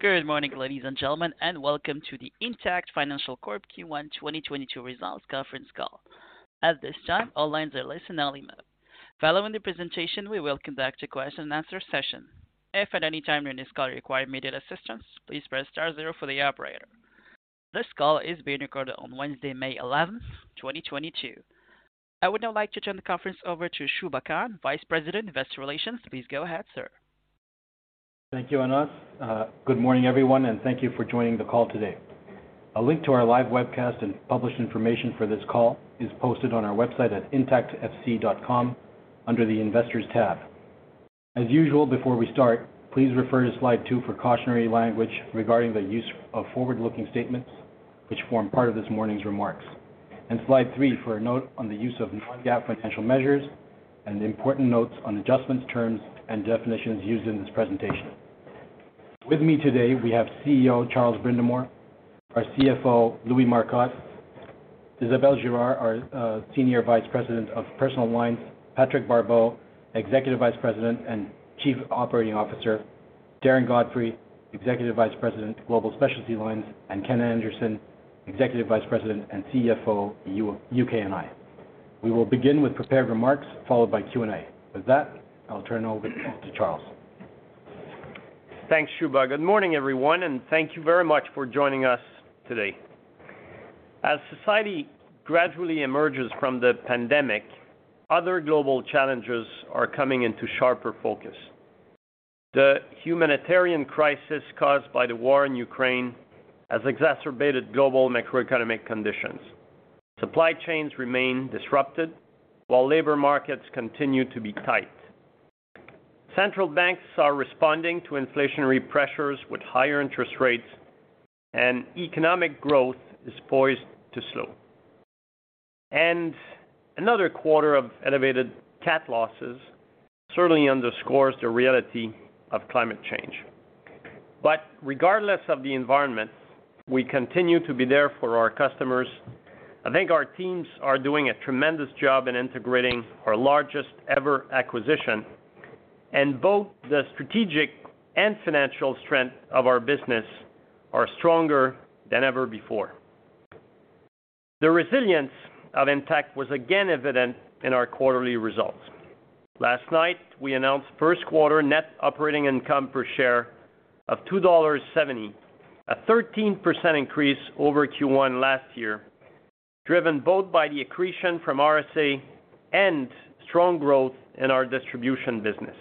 Good morning, ladies and gentlemen, and welcome to the Intact Financial Corporation Q1 2022 results conference call. At this time, all lines are in listen-only mode. Following the presentation, we will conduct a question and answer session. If at any time during this call you require immediate assistance, please press star zero for the operator. This call is being recorded on Wednesday, May 11, 2022. I would now like to turn the conference over to Shubha Khan, Vice President, Investor Relations. Please go ahead, sir. Thank you, Anas. Good morning, everyone, and thank you for joining the call today. A link to our live webcast and published information for this call is posted on our website at intactfc.com under the Investors tab. As usual, before we start, please refer to slide two for cautionary language regarding the use of forward-looking statements, which form part of this morning's remarks, and slide three for a note on the use of non-GAAP financial measures and important notes on adjustments, terms, and definitions used in this presentation. With me today, we have CEO Charles Brindamour, our CFO, Louis Marcotte, Isabelle Girard, our Senior Vice President of Personal Lines, Patrick Barbeau, Executive Vice President and Chief Operating Officer, Darren Godfrey, Executive Vice President, Global Specialty Lines, and Ken Anderson, Executive Vice President and CFO, UK and Ireland. We will begin with prepared remarks, followed by Q&A. With that, I'll turn it over to Charles. Thanks, Shubha. Good morning, everyone, and thank you very much for joining us today. As society gradually emerges from the pandemic, other global challenges are coming into sharper focus. The humanitarian crisis caused by the war in Ukraine has exacerbated global macroeconomic conditions. Supply chains remain disrupted while labor markets continue to be tight. Central banks are responding to inflationary pressures with higher interest rates, and economic growth is poised to slow. Another quarter of elevated cat losses certainly underscores the reality of climate change. Regardless of the environment, we continue to be there for our customers. I think our teams are doing a tremendous job in integrating our largest ever acquisition, and both the strategic and financial strength of our business are stronger than ever before. The resilience of Intact was again evident in our quarterly results. Last night, we announced first quarter net operating income per share of 2.70 dollars, a 13% increase over Q1 last year, driven both by the accretion from RSA and strong growth in our distribution business.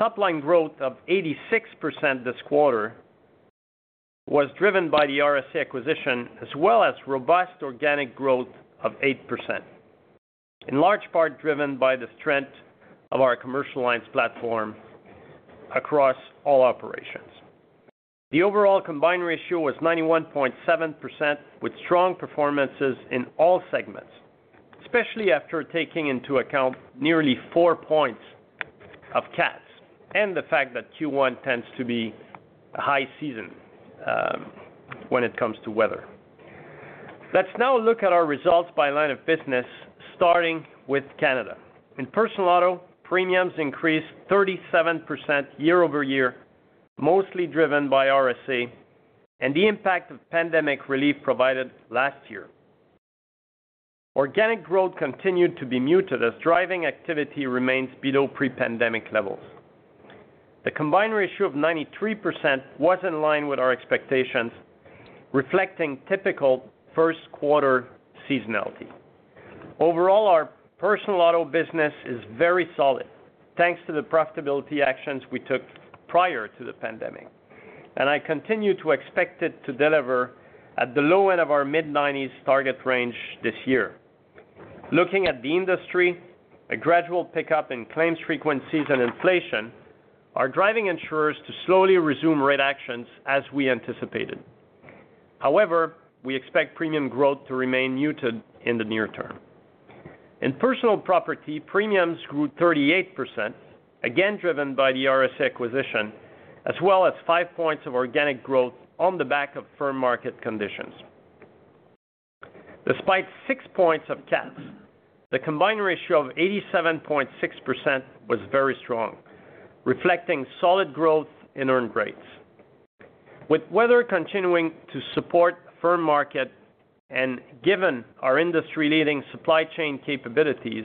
Top line growth of 86% this quarter was driven by the RSA acquisition, as well as robust organic growth of 8%, in large part driven by the strength of our commercial alliance platform across all operations. The overall combined ratio was 91.7% with strong performances in all segments, especially after taking into account nearly four points of cats and the fact that Q1 tends to be a high season, when it comes to weather. Let's now look at our results by line of business, starting with Canada. In personal auto, premiums increased 37% year-over-year, mostly driven by RSA and the impact of pandemic relief provided last year. Organic growth continued to be muted as driving activity remains below pre-pandemic levels. The combined ratio of 93% was in line with our expectations, reflecting typical first quarter seasonality. Overall, our personal auto business is very solid thanks to the profitability actions we took prior to the pandemic, and I continue to expect it to deliver at the low end of our mid-90s target range this year. Looking at the industry, a gradual pickup in claims frequencies and inflation are driving insurers to slowly resume rate actions as we anticipated. However, we expect premium growth to remain muted in the near term. In personal property, premiums grew 38%, again driven by the RSA acquisition, as well as five points of organic growth on the back of firm market conditions. Despite 6 points of tax, the combined ratio of 87.6% was very strong, reflecting solid growth in earn rates. With weather continuing to support firm market and given our industry-leading supply chain capabilities,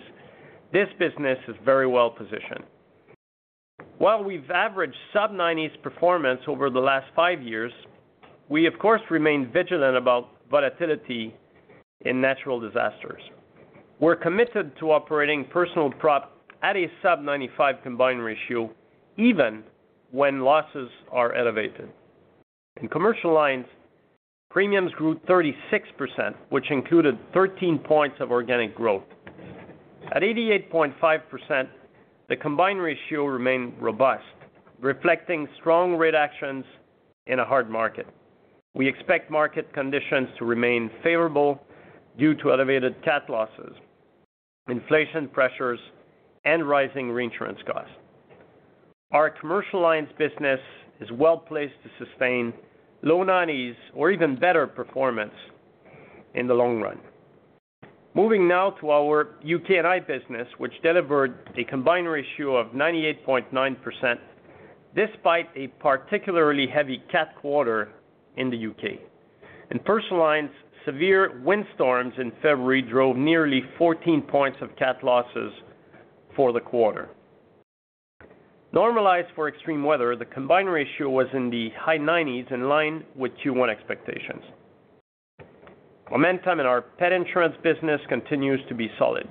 this business is very well-positioned. While we've averaged sub-90s performance over the last five years, we of course remain vigilant about volatility in natural disasters. We're committed to operating personal prop at a sub-95 combined ratio even when losses are elevated. In commercial lines, premiums grew 36%, which included 13 points of organic growth. At 88.5%, the combined ratio remained robust, reflecting strong rate actions in a hard market. We expect market conditions to remain favorable due to elevated cat losses, inflation pressures, and rising reinsurance costs. Our commercial alliance business is well-placed to sustain low 90s or even better performance in the long run. Moving now to our UK&I business, which delivered a combined ratio of 98.9% despite a particularly heavy cat quarter in the U.K. In personal lines, severe windstorms in February drove nearly 14 points of cat losses for the quarter. Normalized for extreme weather, the combined ratio was in the high 90s in line with Q1 expectations. Momentum in our pet insurance business continues to be solid.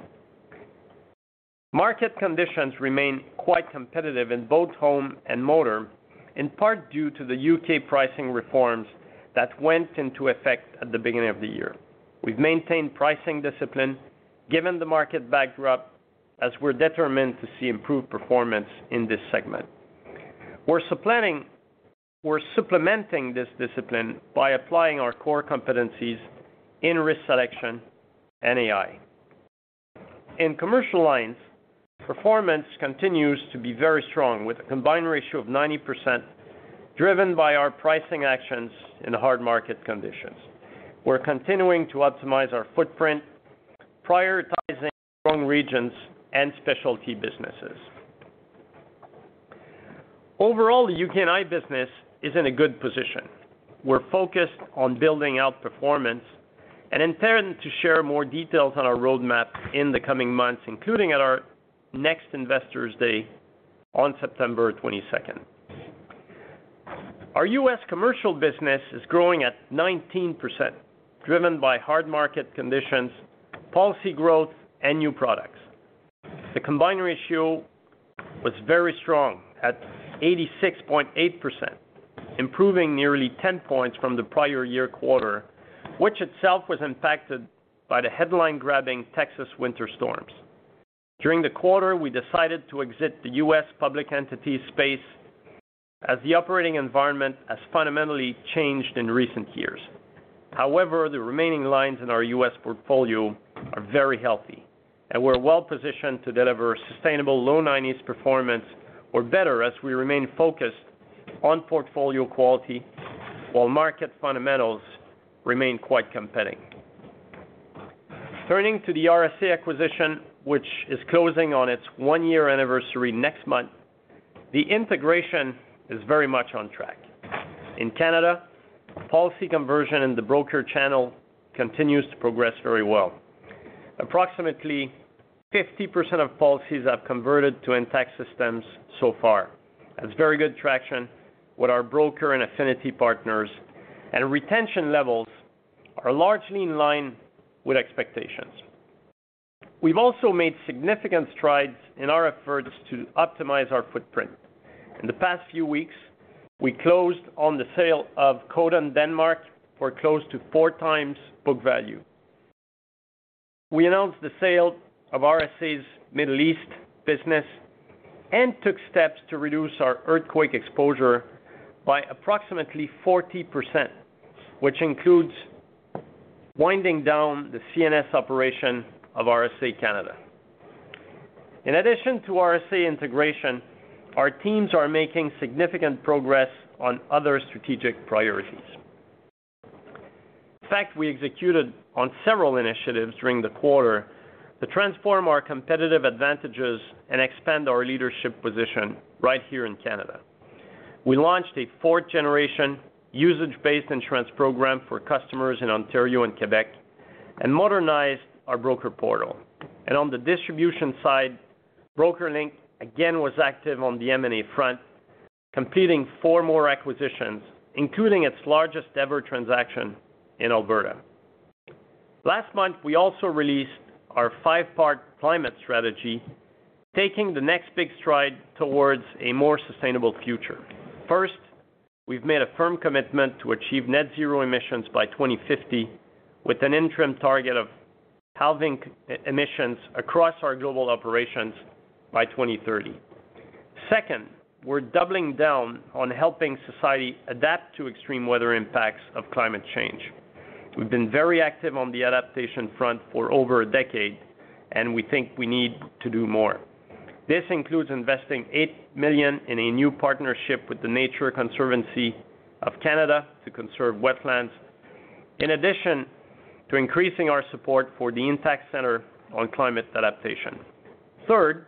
Market conditions remain quite competitive in both home and motor, in part due to the UK pricing reforms that went into effect at the beginning of the year. We've maintained pricing discipline given the market backdrop as we're determined to see improved performance in this segment. We're supplementing this discipline by applying our core competencies in risk selection and AI. In commercial lines, performance continues to be very strong with a combined ratio of 90% driven by our pricing actions in hard market conditions. We're continuing to optimize our footprint, prioritizing strong regions and specialty businesses. Overall, the UK&I business is in a good position. We're focused on building out performance and intend to share more details on our roadmap in the coming months, including at our next Investors Day on September 22. Our U.S. commercial business is growing at 19%, driven by hard market conditions, policy growth, and new products. The combined ratio was very strong at 86.8%, improving nearly 10 points from the prior year quarter, which itself was impacted by the headline-grabbing Texas winter storms. During the quarter, we decided to exit the U.S. public entity space as the operating environment has fundamentally changed in recent years. However, the remaining lines in our U.S. portfolio are very healthy, and we're well-positioned to deliver sustainable low nineties performance or better as we remain focused on portfolio quality while market fundamentals remain quite compelling. Turning to the RSA acquisition, which is closing on its 1-year anniversary next month, the integration is very much on track. In Canada, policy conversion in the broker channel continues to progress very well. Approximately 50% of policies have converted to Intact systems so far. That's very good traction with our broker and affinity partners, and retention levels are largely in line with expectations. We've also made significant strides in our efforts to optimize our footprint. In the past few weeks, we closed on the sale of Codan Denmark for close to 4 times book value. We announced the sale of RSA's Middle East business and took steps to reduce our earthquake exposure by approximately 40%, which includes winding down the CNS operation of RSA Canada. In addition to RSA integration, our teams are making significant progress on other strategic priorities. In fact, we executed on several initiatives during the quarter to transform our competitive advantages and expand our leadership position right here in Canada. We launched a fourth generation usage-based insurance program for customers in Ontario and Quebec, and modernized our broker portal. On the distribution side, BrokerLink again was active on the M&A front, completing four more acquisitions, including its largest-ever transaction in Alberta. Last month, we also released our five-part climate strategy, taking the next big stride towards a more sustainable future. First, we've made a firm commitment to achieve net zero emissions by 2050, with an interim target of halving emissions across our global operations by 2030. Second, we're doubling down on helping society adapt to extreme weather impacts of climate change. We've been very active on the adaptation front for over a decade, and we think we need to do more. This includes investing 8 million in a new partnership with the Nature Conservancy of Canada to conserve wetlands, in addition to increasing our support for the Intact Centre on Climate Adaptation. Third,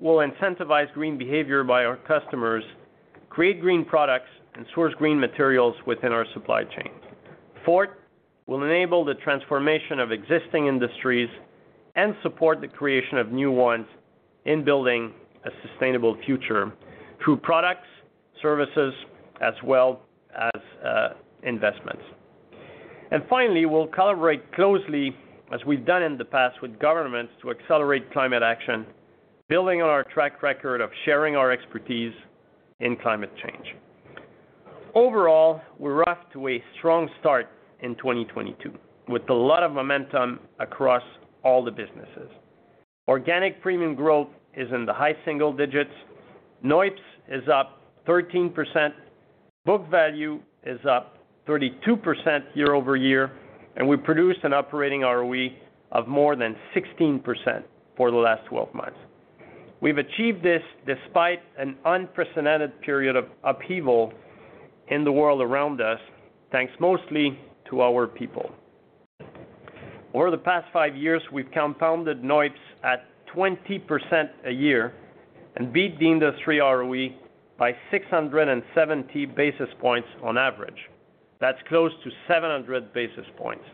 we'll incentivize green behavior by our customers, create green products, and source green materials within our supply chain. Fourth, we'll enable the transformation of existing industries and support the creation of new ones in building a sustainable future through products, services, as well as, investments. Finally, we'll collaborate closely as we've done in the past with governments to accelerate climate action, building on our track record of sharing our expertise in climate change. Overall, we're off to a strong start in 2022 with a lot of momentum across all the businesses. Organic premium growth is in the high single digits. NOIPS is up 13%. Book value is up 32% year-over-year, and we produced an operating ROE of more than 16% for the last 12 months. We've achieved this despite an unprecedented period of upheaval in the world around us, thanks mostly to our people. Over the past five years, we've compounded NOIPS at 20% a year and beat the industry ROE by 670 basis points on average. That's close to 700 basis points.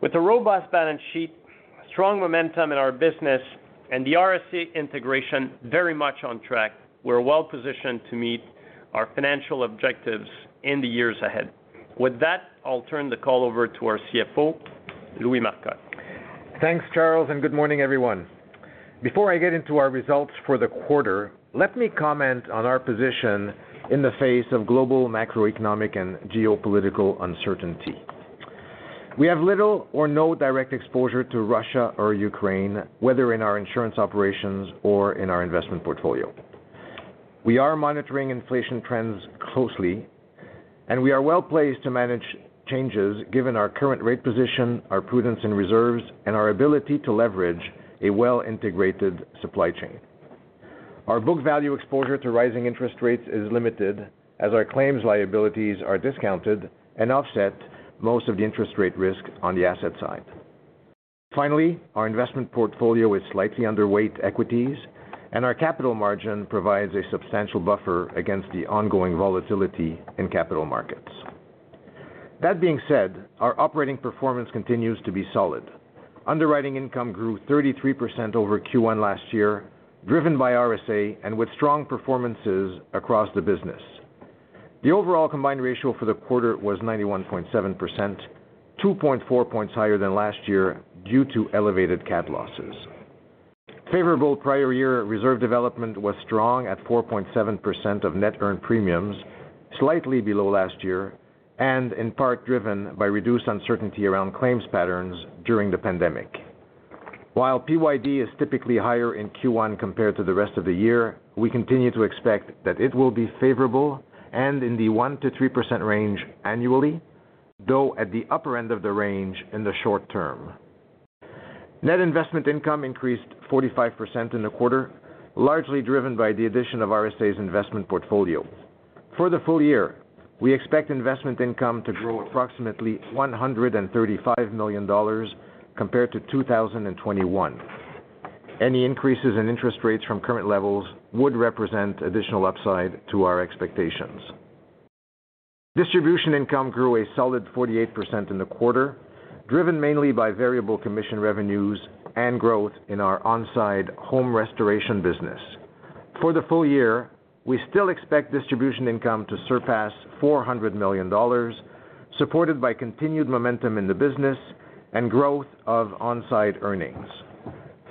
With a robust balance sheet, strong momentum in our business, and the RSA integration very much on track, we're well-positioned to meet our financial objectives in the years ahead. With that, I'll turn the call over to our CFO, Louis Marcotte. Thanks, Charles, and good morning, everyone. Before I get into our results for the quarter, let me comment on our position in the face of global macroeconomic and geopolitical uncertainty. We have little or no direct exposure to Russia or Ukraine, whether in our insurance operations or in our investment portfolio. We are monitoring inflation trends closely, and we are well-placed to manage changes given our current rate position, our prudence in reserves, and our ability to leverage a well-integrated supply chain. Our book value exposure to rising interest rates is limited as our claims liabilities are discounted and offset most of the interest rate risk on the asset side. Finally, our investment portfolio is slightly underweight equities, and our capital margin provides a substantial buffer against the ongoing volatility in capital markets. That being said, our operating performance continues to be solid. Underwriting income grew 33% over Q1 last year, driven by RSA and with strong performances across the business. The overall combined ratio for the quarter was 91.7%, 2.4 points higher than last year due to elevated CAT losses. Favorable prior year reserve development was strong at 4.7% of net earned premiums, slightly below last year, and in part driven by reduced uncertainty around claims patterns during the pandemic. While PYD is typically higher in Q1 compared to the rest of the year, we continue to expect that it will be favorable and in the 1%-3% range annually, though at the upper end of the range in the short term. Net investment income increased 45% in the quarter, largely driven by the addition of RSA's investment portfolio. For the full year, we expect investment income to grow approximately 135 million dollars compared to 2021. Any increases in interest rates from current levels would represent additional upside to our expectations. Distribution income grew a solid 48% in the quarter, driven mainly by variable commission revenues and growth in our on-site home restoration business. For the full year, we still expect distribution income to surpass 400 million dollars, supported by continued momentum in the business and growth of on-site earnings.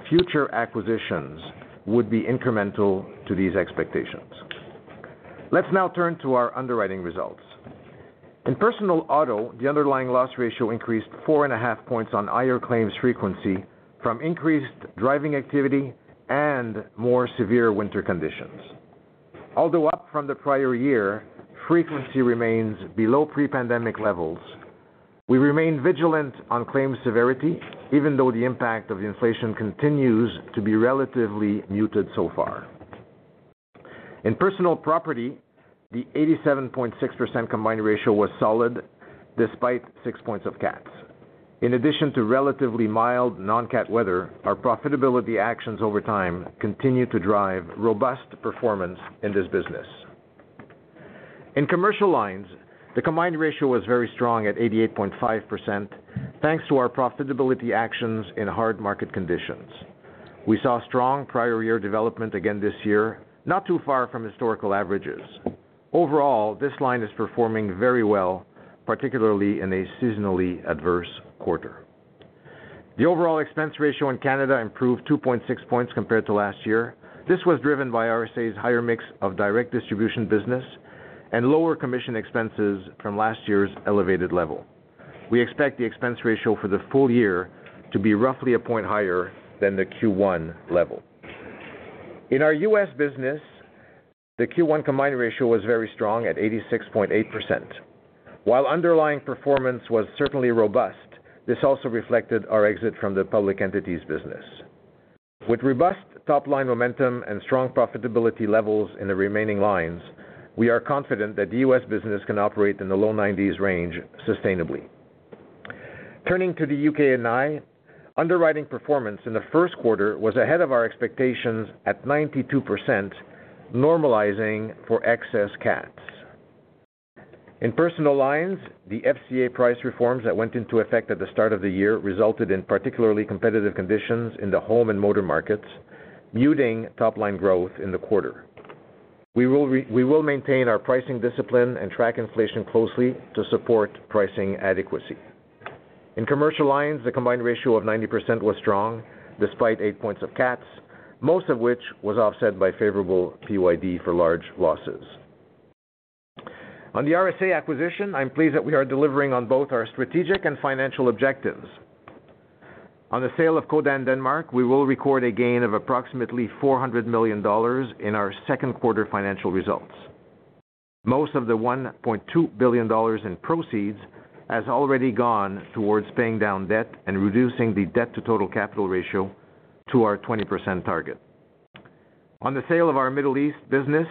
Future acquisitions would be incremental to these expectations. Let's now turn to our underwriting results. In personal auto, the underlying loss ratio increased 4.5 points on higher claims frequency from increased driving activity and more severe winter conditions. Although up from the prior year, frequency remains below pre-pandemic levels. We remain vigilant on claim severity, even though the impact of inflation continues to be relatively muted so far. In personal property, the 87.6% combined ratio was solid despite 6 points of CATs. In addition to relatively mild non-CAT weather, our profitability actions over time continue to drive robust performance in this business. In commercial lines, the combined ratio was very strong at 88.5%, thanks to our profitability actions in hard market conditions. We saw strong prior year development again this year, not too far from historical averages. Overall, this line is performing very well, particularly in a seasonally adverse quarter. The overall expense ratio in Canada improved 2.6 points compared to last year. This was driven by RSA's higher mix of direct distribution business and lower commission expenses from last year's elevated level. We expect the expense ratio for the full year to be roughly a point higher than the Q1 level. In our U.S. business, the Q1 combined ratio was very strong at 86.8%. While underlying performance was certainly robust, this also reflected our exit from the public entities business. With robust top-line momentum and strong profitability levels in the remaining lines, we are confident that the U.S. business can operate in the low 90s range sustainably. Turning to the UK&I, underwriting performance in the first quarter was ahead of our expectations at 92%, normalizing for excess CATs. In personal lines, the FCA price reforms that went into effect at the start of the year resulted in particularly competitive conditions in the home and motor markets, muting top-line growth in the quarter. We will maintain our pricing discipline and track inflation closely to support pricing adequacy. In commercial lines, the combined ratio of 90% was strong, despite 8 points of CATs, most of which was offset by favorable PYD for large losses. On the RSA acquisition, I'm pleased that we are delivering on both our strategic and financial objectives. On the sale of Codan Denmark, we will record a gain of approximately 400 million dollars in our second quarter financial results. Most of the 1.2 billion dollars in proceeds has already gone towards paying down debt and reducing the debt to total capital ratio to our 20% target. On the sale of our Middle East business,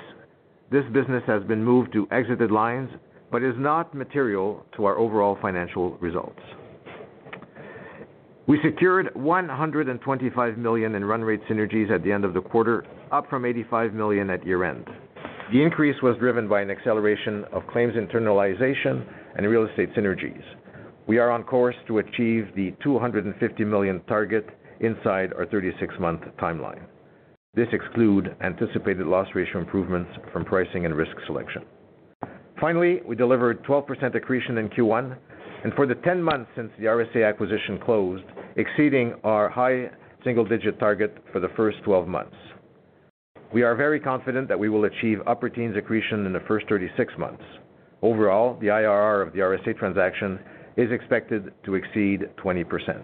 this business has been moved to exited lines, but is not material to our overall financial results. We secured 125 million in run rate synergies at the end of the quarter, up from 85 million at year-end. The increase was driven by an acceleration of claims internalization and real estate synergies. We are on course to achieve the 250 million target inside our 36-month timeline. This excludes anticipated loss ratio improvements from pricing and risk selection. Finally, we delivered 12% accretion in Q1, and for the 10 months since the RSA acquisition closed, exceeding our high single-digit target for the first 12 months. We are very confident that we will achieve upper teens accretion in the first 36 months. Overall, the IRR of the RSA transaction is expected to exceed 20%.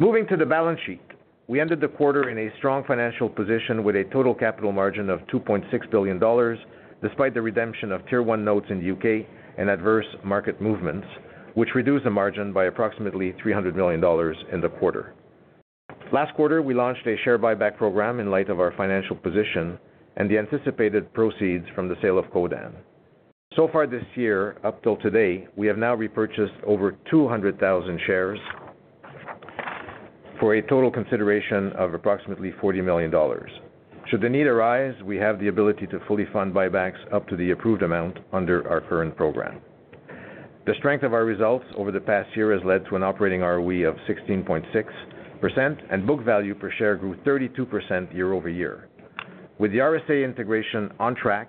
Moving to the balance sheet, we ended the quarter in a strong financial position with a total capital margin of 2.6 billion dollars, despite the redemption of tier-one notes in the U.K. and adverse market movements, which reduced the margin by approximately 300 million dollars in the quarter. Last quarter, we launched a share buyback program in light of our financial position and the anticipated proceeds from the sale of Codan. So far this year, up till today, we have now repurchased over 200,000 shares for a total consideration of approximately 40 million dollars. Should the need arise, we have the ability to fully fund buybacks up to the approved amount under our current program. The strength of our results over the past year has led to an operating ROE of 16.6%, and book value per share grew 32% year-over-year. With the RSA integration on track,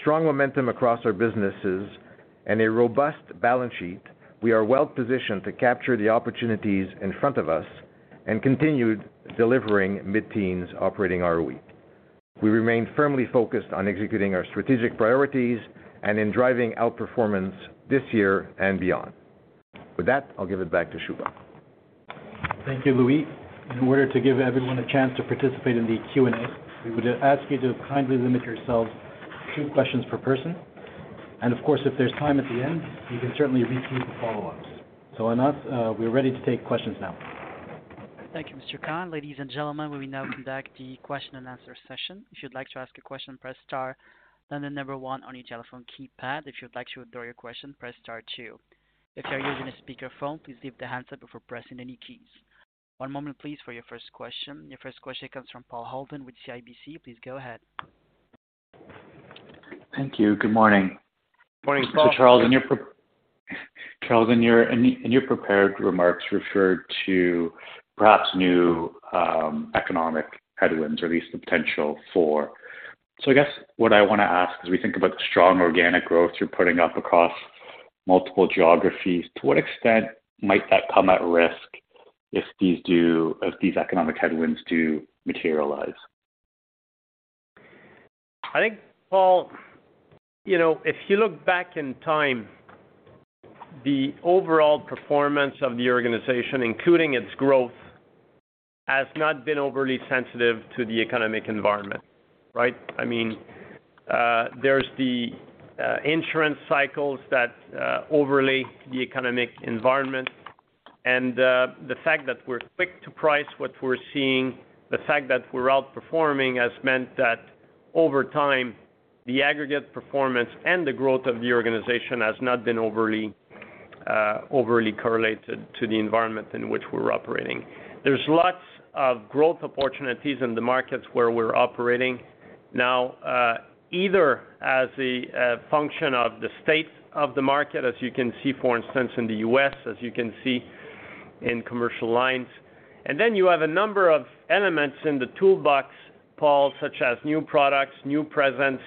strong momentum across our businesses, and a robust balance sheet, we are well positioned to capture the opportunities in front of us and continued delivering mid-teens operating ROE. We remain firmly focused on executing our strategic priorities and in driving our performance this year and beyond. With that, I'll give it back to Shubha. Thank you, Louis. In order to give everyone a chance to participate in the Q&A, we would ask you to kindly limit yourselves two questions per person. Of course, if there's time at the end, you can certainly repeat the follow-ups. Anas, we're ready to take questions now. Thank you, Mr. Khan. Ladies and gentlemen, we now conduct the question and answer session. If you'd like to ask a question, press star, then the number one on your telephone keypad. If you'd like to withdraw your question, press star two. If you are using a speakerphone, please lift the handset before pressing any keys. One moment, please, for your first question. Your first question comes from Paul Holden with CIBC. Please go ahead. Thank you. Good morning. Morning, Paul. Charles, in your prepared remarks you referred to perhaps new economic headwinds, or at least the potential for. I guess what I wanna ask, as we think about the strong organic growth you're putting up across multiple geographies, to what extent might that be at risk if these economic headwinds do materialize? I think, Paul, you know, if you look back in time, the overall performance of the organization, including its growth, has not been overly sensitive to the economic environment, right? I mean, there's the insurance cycles that overlay the economic environment. The fact that we're quick to price what we're seeing, the fact that we're outperforming has meant that over time, the aggregate performance and the growth of the organization has not been overly correlated to the environment in which we're operating. There's lots of growth opportunities in the markets where we're operating now, either as a function of the state of the market, as you can see, for instance, in the U.S., as you can see in commercial lines. You have a number of elements in the toolbox, Paul, such as new products, new presence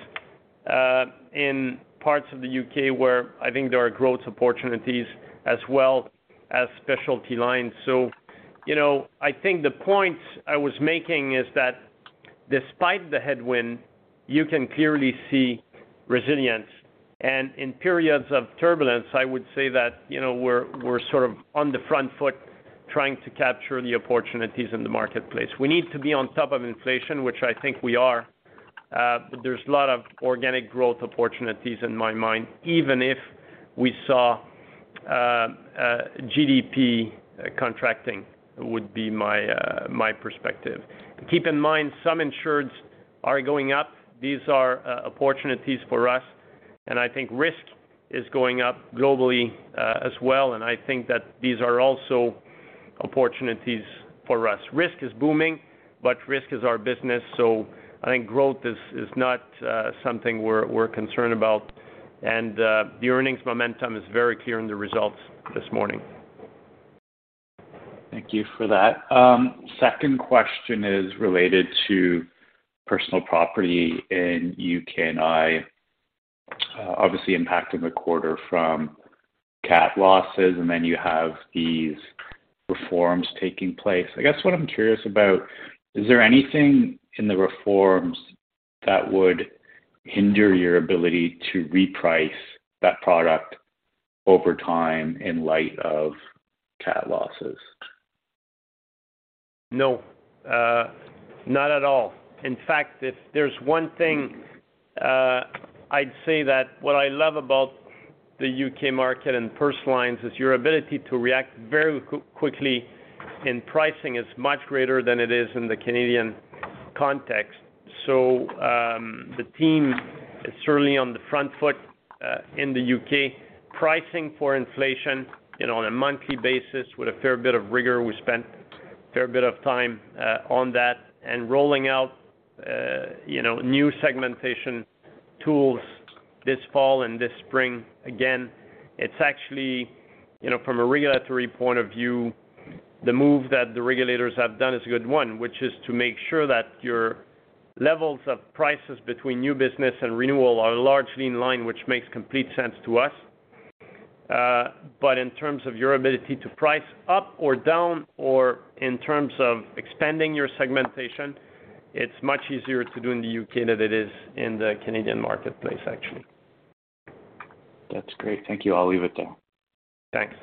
in parts of the U.K. where I think there are growth opportunities as well as specialty lines. You know, I think the point I was making is that despite the headwind, you can clearly see resilience. In periods of turbulence, I would say that, you know, we're sort of on the front foot trying to capture the opportunities in the marketplace. We need to be on top of inflation, which I think we are. There's a lot of organic growth opportunities in my mind, even if we saw GDP contracting would be my perspective. Keep in mind some insureds are going up. These are opportunities for us, and I think risk is going up globally, as well, and I think that these are also opportunities for us. Risk is booming, but risk is our business, so I think growth is not something we're concerned about. The earnings momentum is very clear in the results this morning. Thank you for that. Second question is related to personal property in U.K., and it obviously impacted the quarter from cat losses, and then you have these reforms taking place. I guess what I'm curious about is there anything in the reforms that would hinder your ability to reprice that product over time in light of CAT losses? No, not at all. In fact, if there's one thing I'd say that what I love about the U.K. market and personal lines is your ability to react very quickly in pricing is much greater than it is in the Canadian context. The team is certainly on the front foot in the U.K. pricing for inflation, you know, on a monthly basis with a fair bit of rigor. We spent a fair bit of time on that and rolling out, you know, new segmentation tools this fall and this spring. Again, it's actually, you know, from a regulatory point of view, the move that the regulators have done is a good one, which is to make sure that your levels of prices between new business and renewal are largely in line, which makes complete sense to us. In terms of your ability to price up or down, or in terms of expanding your segmentation, it's much easier to do in the U.K. than it is in the Canadian marketplace, actually. That's great. Thank you. I'll leave it there. Thanks.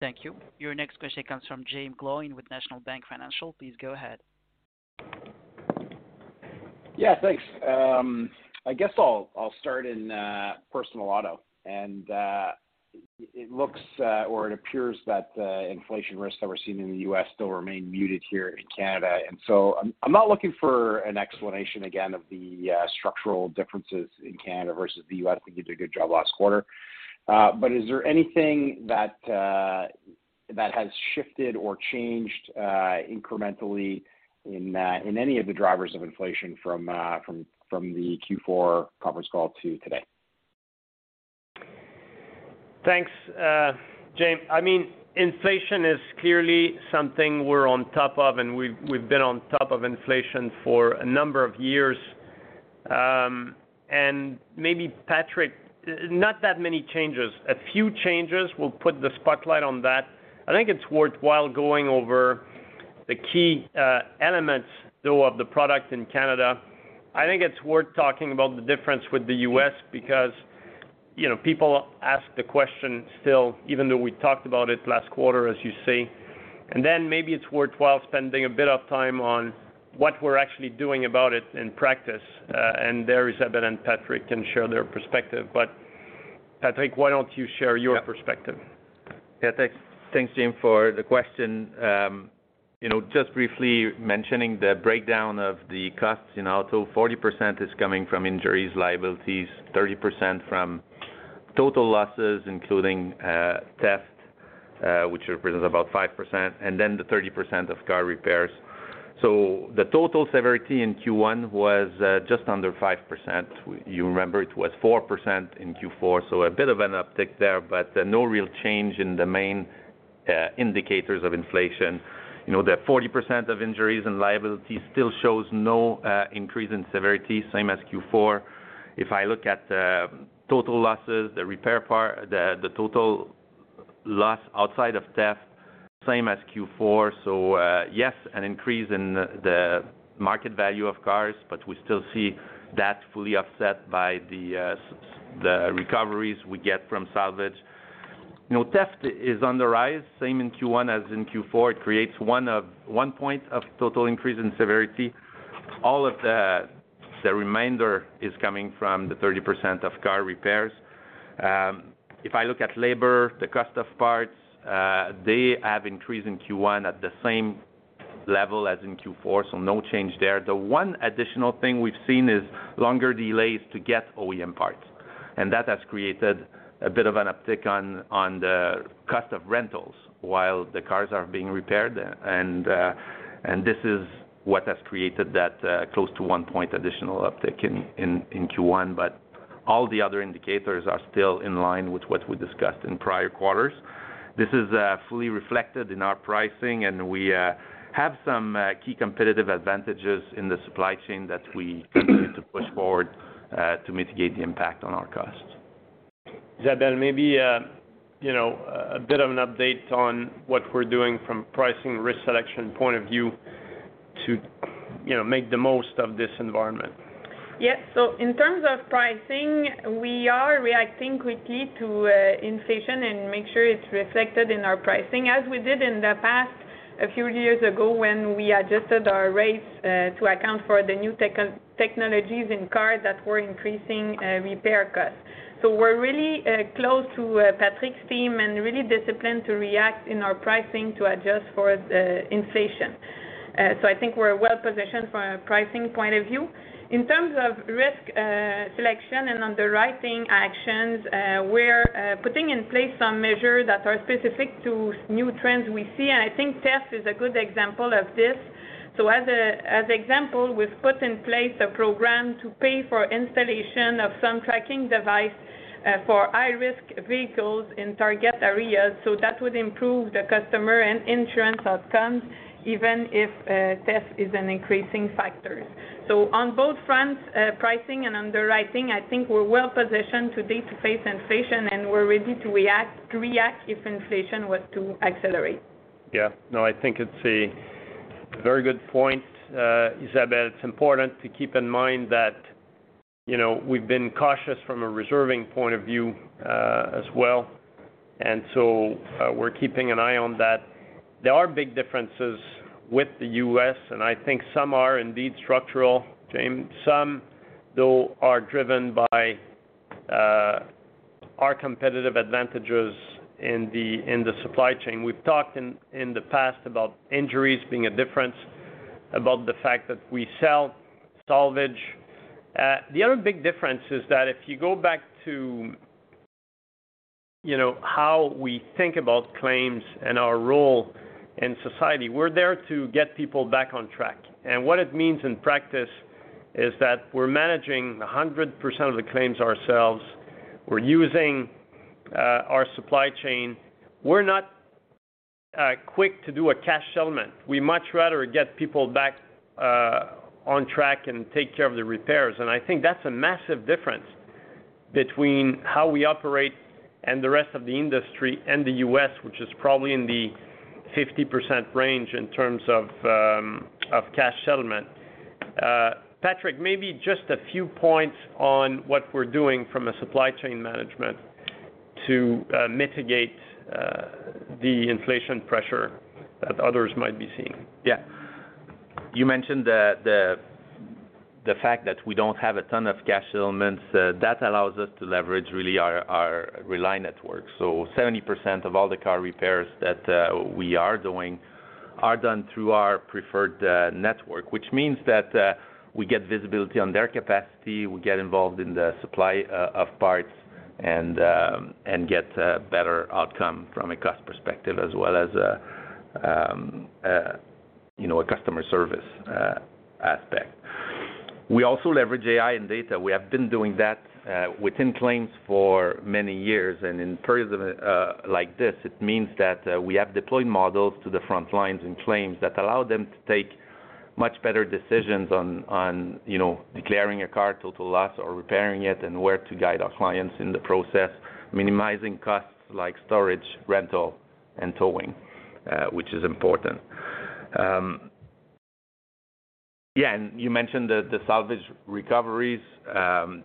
Thank you. Your next question comes from Jaeme Gloyn with National Bank Financial. Please go ahead. Yeah, thanks. I guess I'll start in personal auto. It looks or it appears that the inflation risks that we're seeing in the U.S. still remain muted here in Canada. I'm not looking for an explanation again of the structural differences in Canada versus the U.S. I think you did a good job last quarter. Is there anything that has shifted or changed incrementally in any of the drivers of inflation from the Q4 conference call to today? Thanks, Jaeme. I mean, inflation is clearly something we're on top of, and we've been on top of inflation for a number of years. Maybe Patrick, not that many changes. A few changes we'll put the spotlight on that. I think it's worthwhile going over the key elements though, of the product in Canada. I think it's worth talking about the difference with the U.S. because, you know, people ask the question still, even though we talked about it last quarter, as you say. Then maybe it's worthwhile spending a bit of time on what we're actually doing about it in practice. There Isabelle and Patrick can share their perspective. Patrick, why don't you share your perspective? Thanks, Jaeme for the question. You know, just briefly mentioning the breakdown of the costs in auto, 40% is coming from injuries, liabilities, 30% from total losses including theft, which represents about 5%, and then the 30% of car repairs. The total severity in Q1 was just under 5%. You remember it was 4% in Q4, so a bit of an uptick there, but no real change in the main indicators of inflation. You know, the 40% of injuries and liabilities still shows no increase in severity, same as Q4. If I look at total losses, the repair part, the total loss outside of theft, same as Q4. Yes, an increase in the market value of cars, but we still see that fully offset by the recoveries we get from salvage. You know, theft is on the rise, same in Q1 as in Q4. It creates one point of total increase in severity. All of the remainder is coming from the 30% of car repairs. If I look at labor, the cost of parts, they have increased in Q1 at the same level as in Q4, so no change there. The one additional thing we've seen is longer delays to get OEM parts, and that has created a bit of an uptick on the cost of rentals while the cars are being repaired. This is what has created that close to 1 point additional uptick in Q1, but all the other indicators are still in line with what we discussed in prior quarters. This is fully reflected in our pricing, and we have some key competitive advantages in the supply chain that we continue to push forward to mitigate the impact on our costs. Isabelle, maybe, you know, a bit of an update on what we're doing from pricing risk selection point of view to, you know, make the most of this environment. Yes. In terms of pricing, we are reacting quickly to inflation and make sure it's reflected in our pricing as we did in the past, a few years ago when we adjusted our rates to account for the new technologies in cars that were increasing repair costs. We're really close to Patrick's team and really disciplined to react in our pricing to adjust for the inflation. I think we're well positioned from a pricing point of view. In terms of risk selection and underwriting actions, we're putting in place some measures that are specific to new trends we see, and I think theft is a good example of this. As an example, we've put in place a program to pay for installation of some tracking device for high-risk vehicles in target areas. That would improve the customer and insurance outcomes even if theft is an increasing factor. On both fronts, pricing and underwriting, I think we're well positioned today to face inflation, and we're ready to react if inflation was to accelerate. Yeah. No, I think it's a very good point, Isabelle. It's important to keep in mind that, you know, we've been cautious from a reserving point of view, as well. We're keeping an eye on that. There are big differences with the U.S., and I think some are indeed structural, Jaeme. Some though are driven by our competitive advantages in the supply chain. We've talked in the past about injuries being a difference, about the fact that we sell salvage. The other big difference is that if you go back to, you know, how we think about claims and our role in society, we're there to get people back on track. What it means in practice is that we're managing 100% of the claims ourselves. We're using our supply chain. We're not quick to do a cash settlement. We'd much rather get people back on track and take care of the repairs. I think that's a massive difference between how we operate and the rest of the industry and the U.S., which is probably in the 50% range in terms of of cash settlement. Patrick, maybe just a few points on what we're doing from a supply chain management to mitigate the inflation pressure that others might be seeing. Yeah. You mentioned the fact that we don't have a ton of cash settlements. That allows us to leverage really our Rely Network. Seventy percent of all the car repairs that we are doing are done through our preferred network, which means that we get visibility on their capacity, we get involved in the supply of parts and get a better outcome from a cost perspective as well as you know a customer service aspect. We also leverage AI and data. We have been doing that within claims for many years. In periods of like this, it means that we have deployed models to the front lines in claims that allow them to take much better decisions on you know, declaring a car total loss or repairing it and where to guide our clients in the process, minimizing costs like storage, rental, and towing, which is important. You mentioned the salvage recoveries.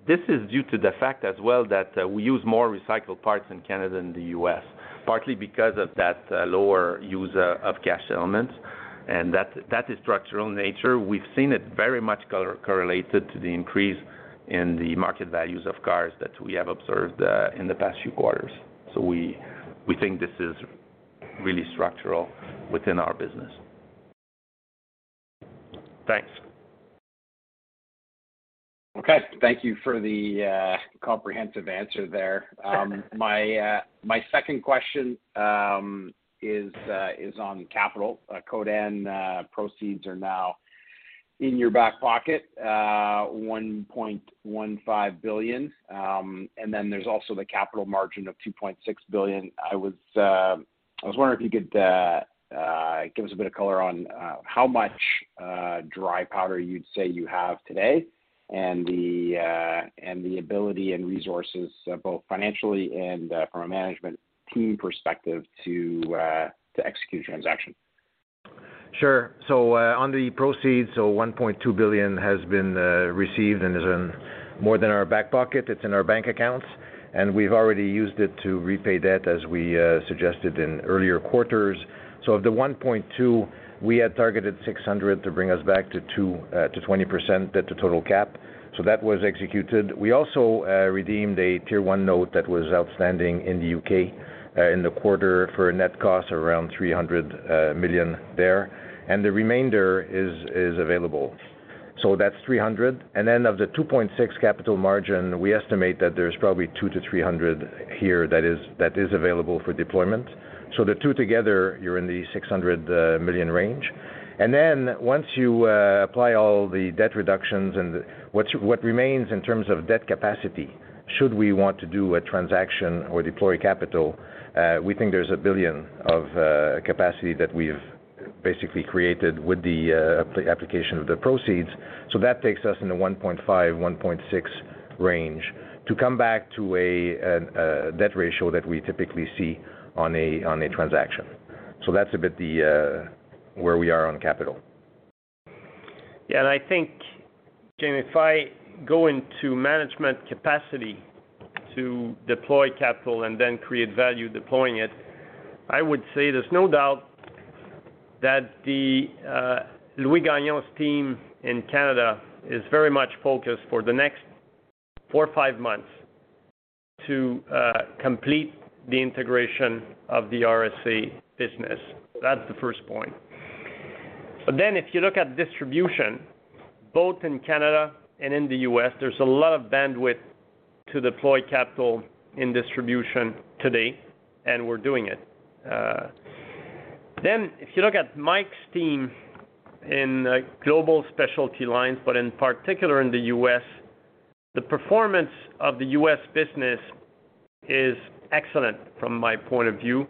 This is due to the fact as well that we use more recycled parts in Canada than the U.S., partly because of that lower use of cash settlements, and that's structural in nature. We've seen it very much correlated to the increase in the market values of cars that we have observed in the past few quarters. We think this is really structural within our business. Thanks. Okay. Thank you for the comprehensive answer there. My second question is on capital. Codan proceeds are now in your back pocket, 1.15 billion. There's also the capital margin of 2.6 billion. I was wondering if you could give us a bit of color on how much dry powder you'd say you have today and the ability and resources, both financially and from a management team perspective to execute transaction. Sure. On the proceeds, 1.2 billion has been received and is in more than our back pocket. It's in our bank accounts, and we've already used it to repay debt as we suggested in earlier quarters. Of the 1.2, we had targeted 600 to bring us back to 20% debt to total cap. That was executed. We also redeemed a Tier 1 note that was outstanding in the U.K. in the quarter for a net cost around 300 million there. And the remainder is available. That's 300 million. And then of the 2.6 capital margin, we estimate that there's probably 200 million-300 million here that is available for deployment. The two together, you're in the 600 million range. Once you apply all the debt reductions and what remains in terms of debt capacity, should we want to do a transaction or deploy capital, we think there's 1 billion of capacity that we've basically created with the application of the proceeds. That takes us into 1.5-1.6 range to come back to a debt ratio that we typically see on a transaction. That's about where we are on capital. Yeah. I think, Jaeme, if I go into management's capacity to deploy capital and then create value deploying it, I would say there's no doubt that Louis Gagnon's team in Canada is very much focused for the next four or five months to complete the integration of the RSA business. That's the first point. If you look at distribution, both in Canada and in the U.S., there's a lot of bandwidth to deploy capital in distribution today, and we're doing it. If you look at Mike's team in global specialty lines, but in particular in the U.S., the performance of the U.S. business is excellent from my point of view.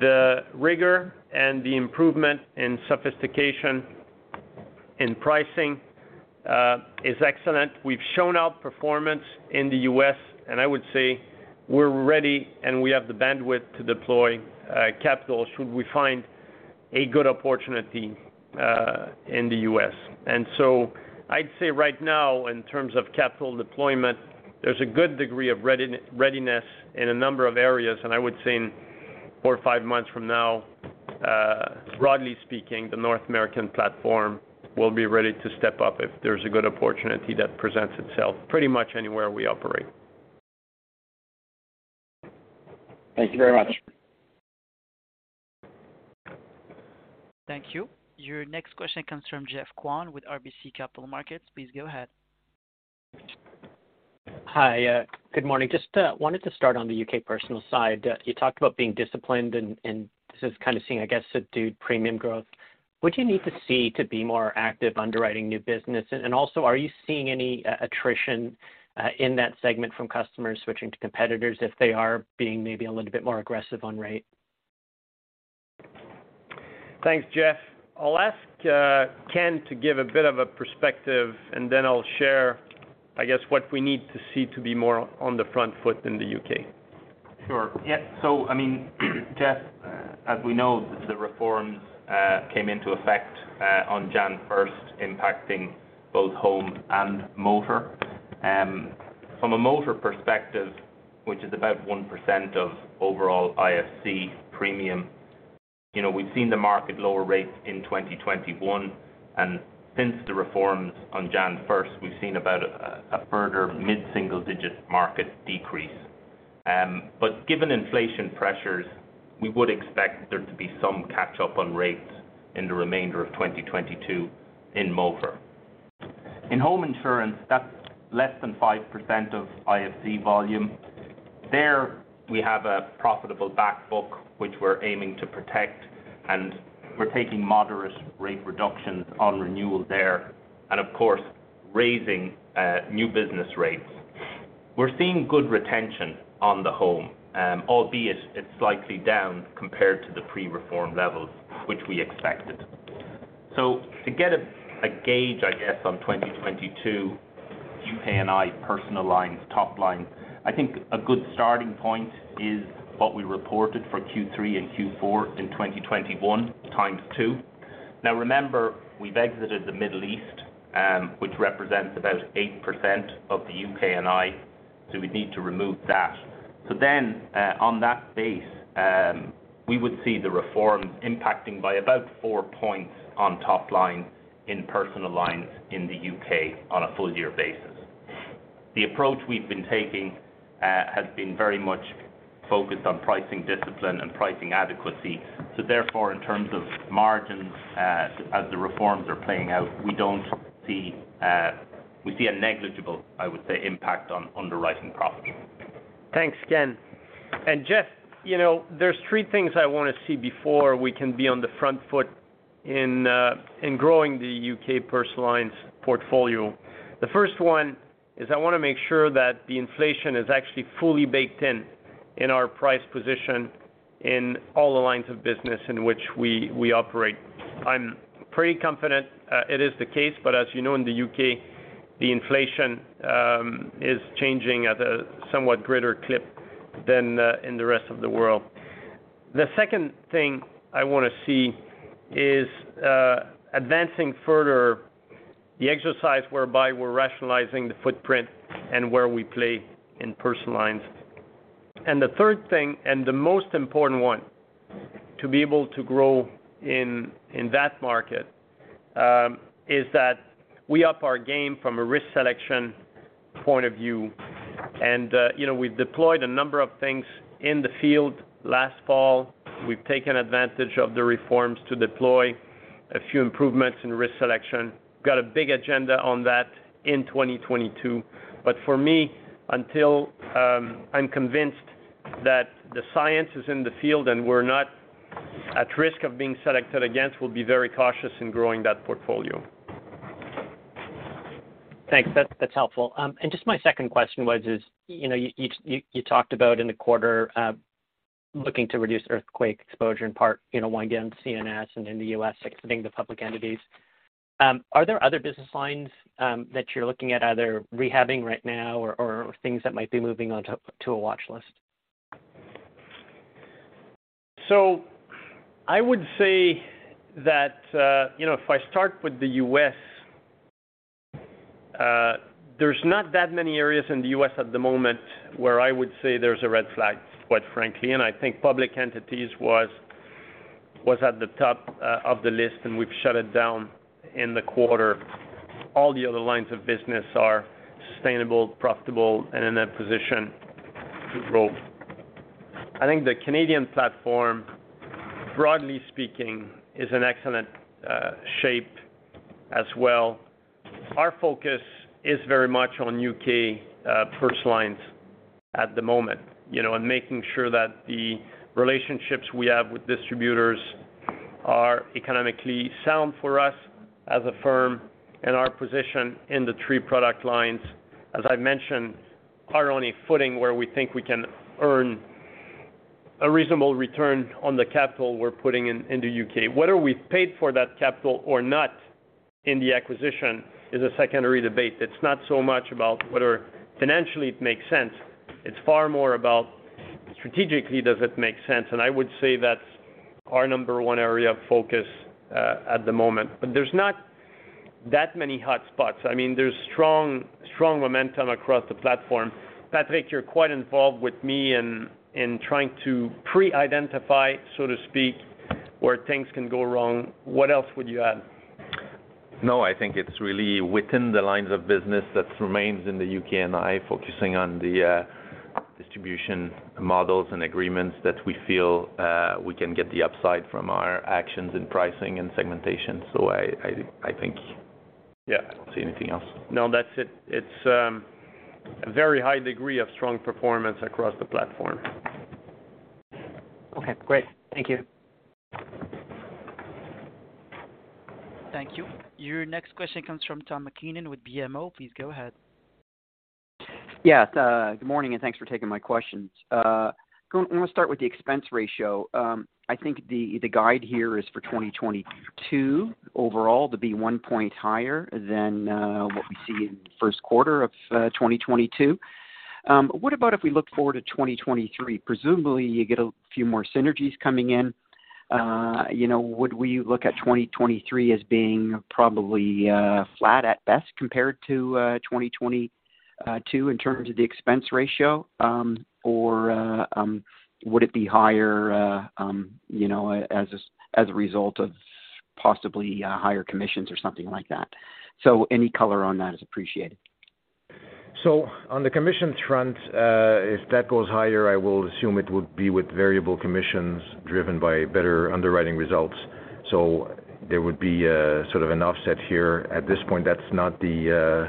The rigor and the improvement and sophistication in pricing is excellent. We've shown outperformance in the U.S., and I would say we're ready, and we have the bandwidth to deploy capital should we find a good opportunity in the U.S.. I'd say right now, in terms of capital deployment, there's a good degree of readiness in a number of areas, and I would say in four or five months from now, broadly speaking, the North American platform will be ready to step up if there's a good opportunity that presents itself pretty much anywhere we operate. Thank you very much. Thank you. Your next question comes from Geoff Kwan with RBC Capital Markets. Please go ahead. Hi. Good morning. Just wanted to start on the U.K. personal lines. You talked about being disciplined and just kind of seeing, I guess, subdued premium growth. What do you need to see to be more active underwriting new business? Also, are you seeing any attrition in that segment from customers switching to competitors if they are being maybe a little bit more aggressive on rate? Thanks, Geoff. I'll ask Ken to give a bit of a perspective, and then I'll share, I guess, what we need to see to be more on the front foot in the UK. Sure. Yeah. I mean, Geoff, as we know, the reforms came into effect on January 1, impacting both home and motor. From a motor perspective, which is about 1% of overall IFC premium, you know, we've seen the market lower rates in 2021, and since the reforms on January 1, we've seen about a further mid-single digit market decrease. But given inflation pressures, we would expect there to be some catch-up on rates in the remainder of 2022 in motor. In home insurance, that's less than 5% of IFC volume. There, we have a profitable back book, which we're aiming to protect, and we're taking moderate rate reductions on renewal there and of course, raising new business rates. We're seeing good retention on the home, albeit it's slightly down compared to the pre-reform levels, which we expected. To get a gauge, I guess, on 2022 UK&I personal lines top line, I think a good starting point is what we reported for Q3 and Q4 in 2021 times 2. Now remember, we've exited the Middle East, which represents about 8% of the UK&I, so we need to remove that. On that base, we would see the reform impacting by about 4 points on top line in personal lines in the U.K. on a full year basis. The approach we've been taking has been very much focused on pricing discipline and pricing adequacy. In terms of margins, as the reforms are playing out, we see a negligible, I would say, impact on underwriting profit. Thanks, Ken. Geoff, you know, there's three things I want to see before we can be on the front foot in growing the U.K. personal lines portfolio. The first one is I want to make sure that the inflation is actually fully baked in our price position in all the lines of business in which we operate. I'm pretty confident it is the case. As you know, in the UK, the inflation is changing at a somewhat greater clip than in the rest of the world. The second thing I want to see is advancing further the exercise whereby we're rationalizing the footprint and where we play in personal lines. The third thing, and the most important one to be able to grow in that market, is that we up our game from a risk selection point of view. You know, we've deployed a number of things in the field last fall. We've taken advantage of the reforms to deploy a few improvements in risk selection. Got a big agenda on that in 2022. For me, until I'm convinced that the science is in the field and we're not at risk of being selected against, we'll be very cautious in growing that portfolio. Thanks. That's helpful. Just my second question was, you know, you talked about in the quarter looking to reduce earthquake exposure in part, you know, one again, CNS and in the U.S., exiting the public entities. Are there other business lines that you're looking at either rehabbing right now or things that might be moving onto a watch list? I would say that, you know, if I start with the U.S., there's not that many areas in the U.S. at the moment where I would say there's a red flag, quite frankly. I think public entities was at the top of the list, and we've shut it down in the quarter. All the other lines of business are sustainable, profitable, and in a position to grow. I think the Canadian platform, broadly speaking, is in excellent shape as well. Our focus is very much on U.K. personal lines at the moment, you know, and making sure that the relationships we have with distributors are economically sound for us as a firm and our position in the three product lines. As I mentioned, are on a footing where we think we can earn a reasonable return on the capital we're putting in the U.K. Whether we've paid for that capital or not in the acquisition is a secondary debate. It's not so much about whether financially it makes sense. It's far more about strategically does it make sense, and I would say that's our number one area of focus at the moment. There's not that many hotspots. I mean, there's strong momentum across the platform. Patrick, you're quite involved with me in trying to pre-identify, so to speak, where things can go wrong. What else would you add? No, I think it's really within the lines of business that remains in the UK&I focusing on the distribution models and agreements that we feel we can get the upside from our actions and pricing and segmentation. I think- Yeah I don't see anything else. No, that's it. It's a very high degree of strong performance across the platform. Okay, great. Thank you. Thank you. Your next question comes from Tom MacKinnon with BMO. Please go ahead. Yeah, good morning, and thanks for taking my questions. I wanna start with the expense ratio. I think the guide here is for 2022 overall to be 1 point higher than what we see in the first quarter of 2022. What about if we look forward to 2023? Presumably, you get a few more synergies coming in. Would we look at 2023 as being probably flat at best compared to 2022 in terms of the expense ratio? Or would it be higher as a result of possibly higher commissions or something like that? Any color on that is appreciated. On the commission front, if that goes higher, I will assume it would be with variable commissions driven by better underwriting results. There would be a sort of an offset here. At this point, that's not the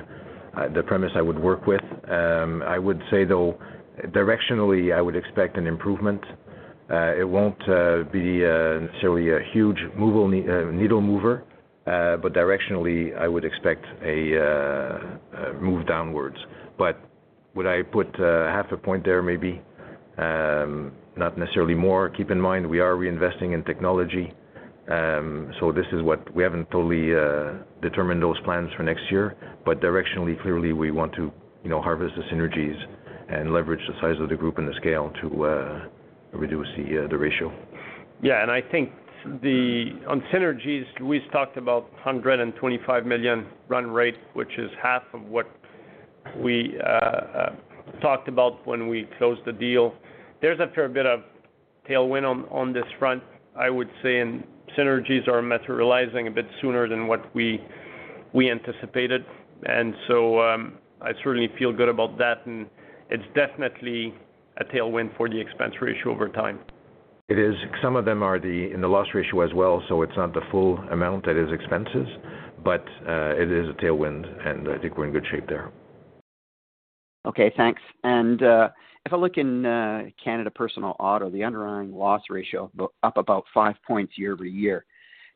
premise I would work with. I would say, though, directionally, I would expect an improvement. It won't be necessarily a huge movable needle mover, but directionally, I would expect a move downwards. Would I put half a point there maybe? Not necessarily more. Keep in mind we are reinvesting in technology. We haven't totally determined those plans for next year, but directionally, clearly we want to, you know, harvest the synergies and leverage the size of the group and the scale to reduce the ratio. Yeah, I think on synergies, Louis talked about 125 million run rate, which is half of what we talked about when we closed the deal. There's a fair bit of tailwind on this front, I would say, and synergies are materializing a bit sooner than what we anticipated. I certainly feel good about that, and it's definitely a tailwind for the expense ratio over time. It is. Some of them are in the loss ratio as well, so it's not the full amount that is expenses, but it is a tailwind, and I think we're in good shape there. Okay, thanks. If I look in Canada personal auto, the underlying loss ratio up about 5 points year-over-year.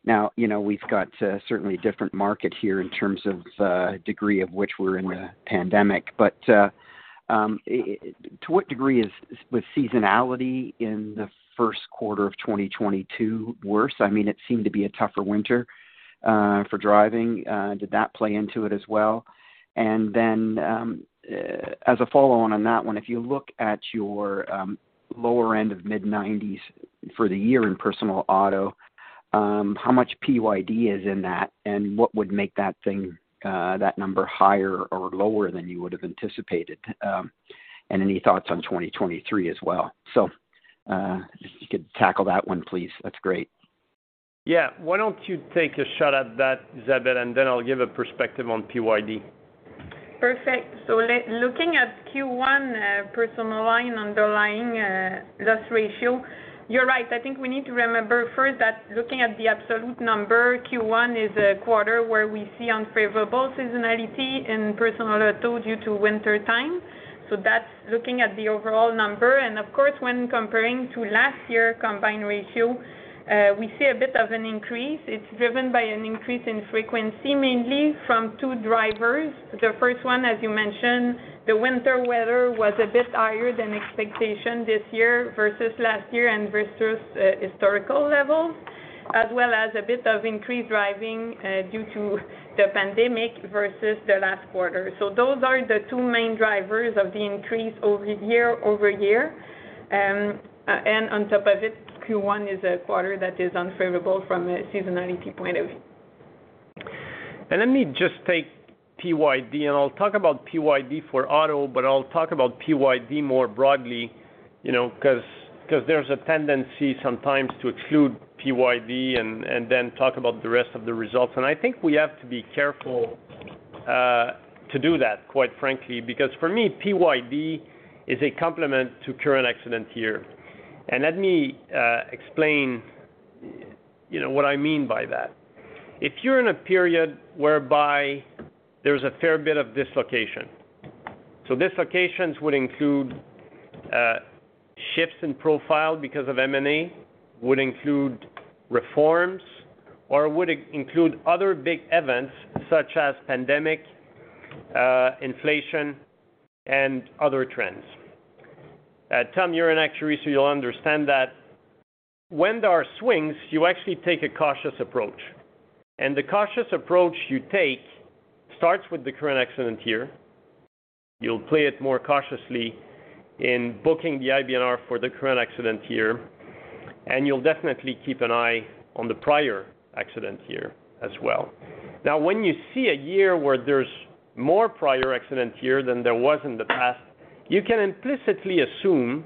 Now, you know, we've got a certainly different market here in terms of degree of which we're in the pandemic. To what degree was seasonality in the first quarter of 2022 worse? I mean, it seemed to be a tougher winter for driving. Did that play into it as well? As a follow-on on that one, if you look at your lower end of the mid-90s for the year in personal auto, how much PYD is in that, and what would make that number higher or lower than you would have anticipated? Any thoughts on 2023 as well. If you could tackle that one, please, that's great. Yeah. Why don't you take a shot at that, Isabelle, and then I'll give a perspective on PYD. Perfect. Looking at Q1, personal lines underlying loss ratio, you're right. I think we need to remember first that looking at the absolute number, Q1 is a quarter where we see unfavorable seasonality in personal auto due to winter time, so that's looking at the overall number. Of course, when comparing to last year combined ratio, we see a bit of an increase. It's driven by an increase in frequency, mainly from two drivers. The first one, as you mentioned, the winter weather was a bit higher than expected this year versus last year and versus historical levels, as well as a bit of increased driving due to the pandemic versus the last quarter. Those are the two main drivers of the increase year-over-year. On top of it, Q1 is a quarter that is unfavorable from a seasonality point of view. Let me just take PYD, and I'll talk about PYD for auto, but I'll talk about PYD more broadly, you know, 'cause there's a tendency sometimes to exclude PYD and then talk about the rest of the results. I think we have to be careful to do that, quite frankly, because for me, PYD is a complement to current accident year. Let me explain, you know, what I mean by that. If you're in a period whereby there's a fair bit of dislocation, so dislocations would include shifts in profile because of M&A, would include reforms, or would include other big events such as pandemic, inflation and other trends. Tom, you're an actuary, so you'll understand that when there are swings, you actually take a cautious approach. The cautious approach you take starts with the current accident year. You'll play it more cautiously in booking the IBNR for the current accident year, and you'll definitely keep an eye on the prior accident year as well. Now, when you see a year where there's more prior accident year than there was in the past, you can implicitly assume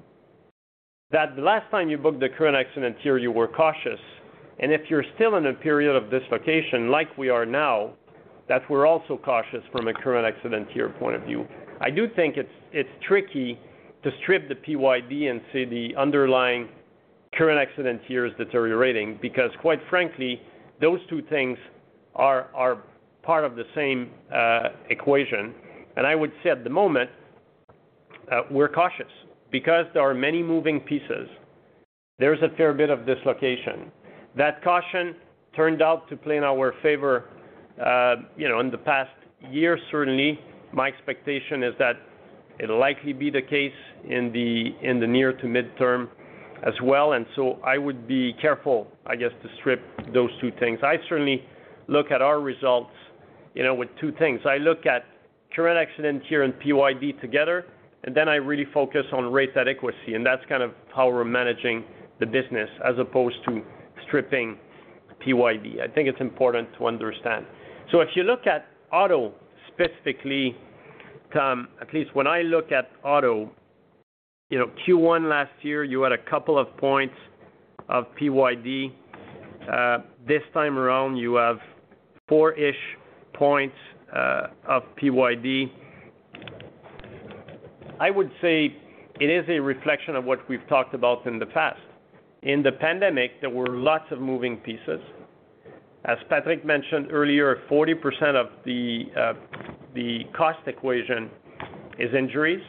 that the last time you booked the current accident year, you were cautious. If you're still in a period of dislocation like we are now, that we're also cautious from a current accident year point of view. I do think it's tricky to strip the PYD and see the underlying current accident year's deteriorating because quite frankly, those two things are part of the same equation. I would say at the moment, we're cautious because there are many moving pieces. There's a fair bit of dislocation. That caution turned out to play in our favor, you know, in the past year, certainly. My expectation is that it'll likely be the case in the near to midterm as well, and so I would be careful, I guess, to strip those two things. I certainly look at our results, you know, with two things. I look at current accident year and PYD together, and then I really focus on rate adequacy, and that's kind of how we're managing the business as opposed to stripping PYD. I think it's important to understand. If you look at auto specifically, Tom, at least when I look at auto, you know, Q1 last year, you had a couple of points of PYD. This time around, you have four-ish points of PYD. I would say it is a reflection of what we've talked about in the past. In the pandemic, there were lots of moving pieces. As Patrick mentioned earlier, 40% of the cost equation is injuries,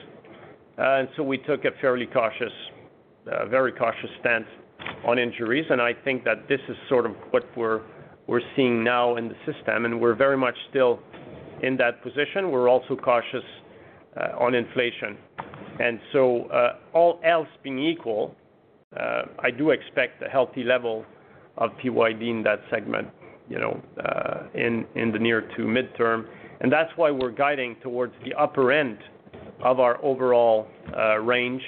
and so we took a fairly cautious, very cautious stance on injuries. I think that this is sort of what we're seeing now in the system, and we're very much still in that position. We're also cautious on inflation. All else being equal, I do expect a healthy level of PYD in that segment, you know, in the near to midterm. That's why we're guiding towards the upper end of our overall range,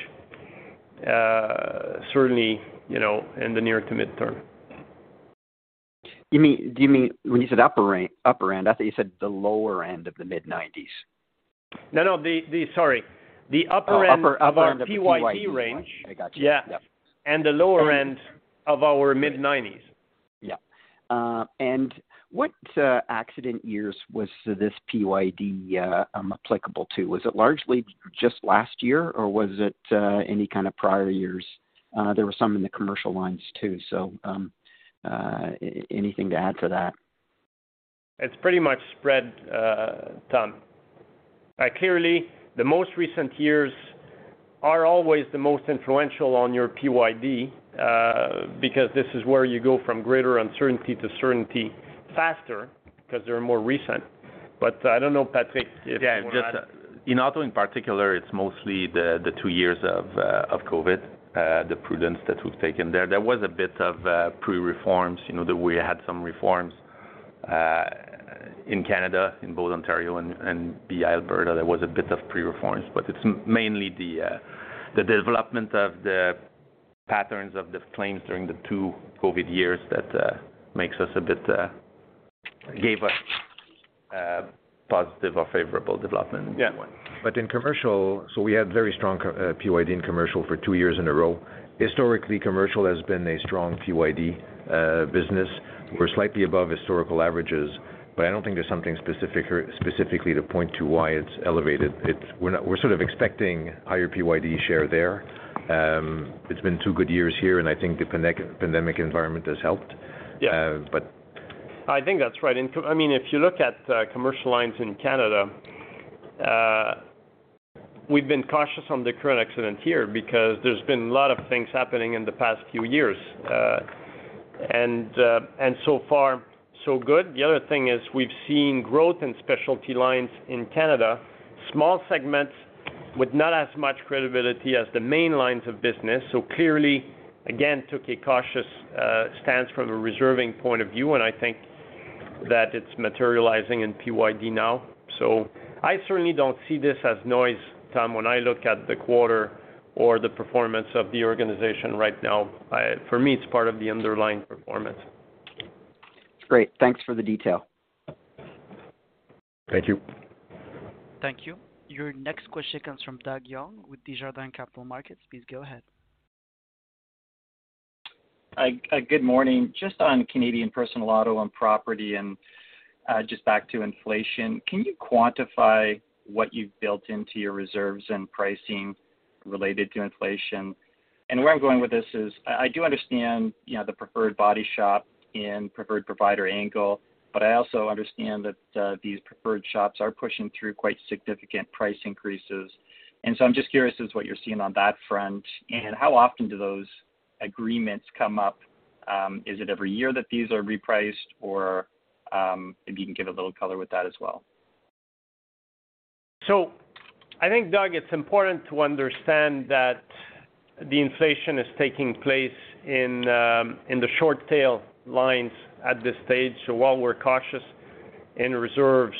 certainly, you know, in the near to midterm. Do you mean when you said upper end, I thought you said the lower end of the mid-nineties? No, sorry. The upper end. Oh, upper end of the PYD range. Of our PYD range. I got you. Yep. Yeah. The lower end of our mid-nineties. What accident years was this PYD applicable to? Was it largely just last year, or was it any kind of prior years? There were some in the commercial lines too, so anything to add to that? It's pretty much spread, Tom. Clearly the most recent years are always the most influential on your PYD, because this is where you go from greater uncertainty to certainty faster because they're more recent. I don't know, Patrick, if you wanna- Yeah, just in auto in particular, it's mostly the two years of COVID, the prudence that we've taken there. There was a bit of pre-reforms, you know, that we had some reforms in Canada, in both Ontario and B.C. Alberta, there was a bit of pre-reforms. It's mainly the development of the patterns of the claims during the two COVID years that gave us positive or favorable development. Yeah. In commercial, we had very strong PYD in commercial for two years in a row. Historically, commercial has been a strong PYD business. We're slightly above historical averages, but I don't think there's something specific specifically to point to why it's elevated. We're sort of expecting higher PYD share there. It's been two good years here, and I think the pandemic environment has helped. Yeah. Uh, but... I think that's right. I mean, if you look at commercial lines in Canada, we've been cautious on the current accident year because there's been a lot of things happening in the past few years. So far, so good. The other thing is we've seen growth in specialty lines in Canada, small segments with not as much credibility as the main lines of business. So clearly, again, took a cautious stance from a reserving point of view, and I think that it's materializing in PYD now. So I certainly don't see this as noise, Tom, when I look at the quarter or the performance of the organization right now. For me, it's part of the underlying performance. It's great. Thanks for the detail. Thank you. Thank you. Your next question comes from Doug Young with Desjardins Capital Markets. Please go ahead. Hi. Good morning. Just on Canadian personal auto and property and just back to inflation, can you quantify what you've built into your reserves and pricing related to inflation? Where I'm going with this is I do understand, you know, the preferred body shop and preferred provider angle, but I also understand that these preferred shops are pushing through quite significant price increases. I'm just curious as to what you're seeing on that front, and how often do those agreements come up. Is it every year that these are repriced? Or, if you can give a little color with that as well. I think, Doug, it's important to understand that the inflation is taking place in the short tail lines at this stage. While we're cautious in reserves,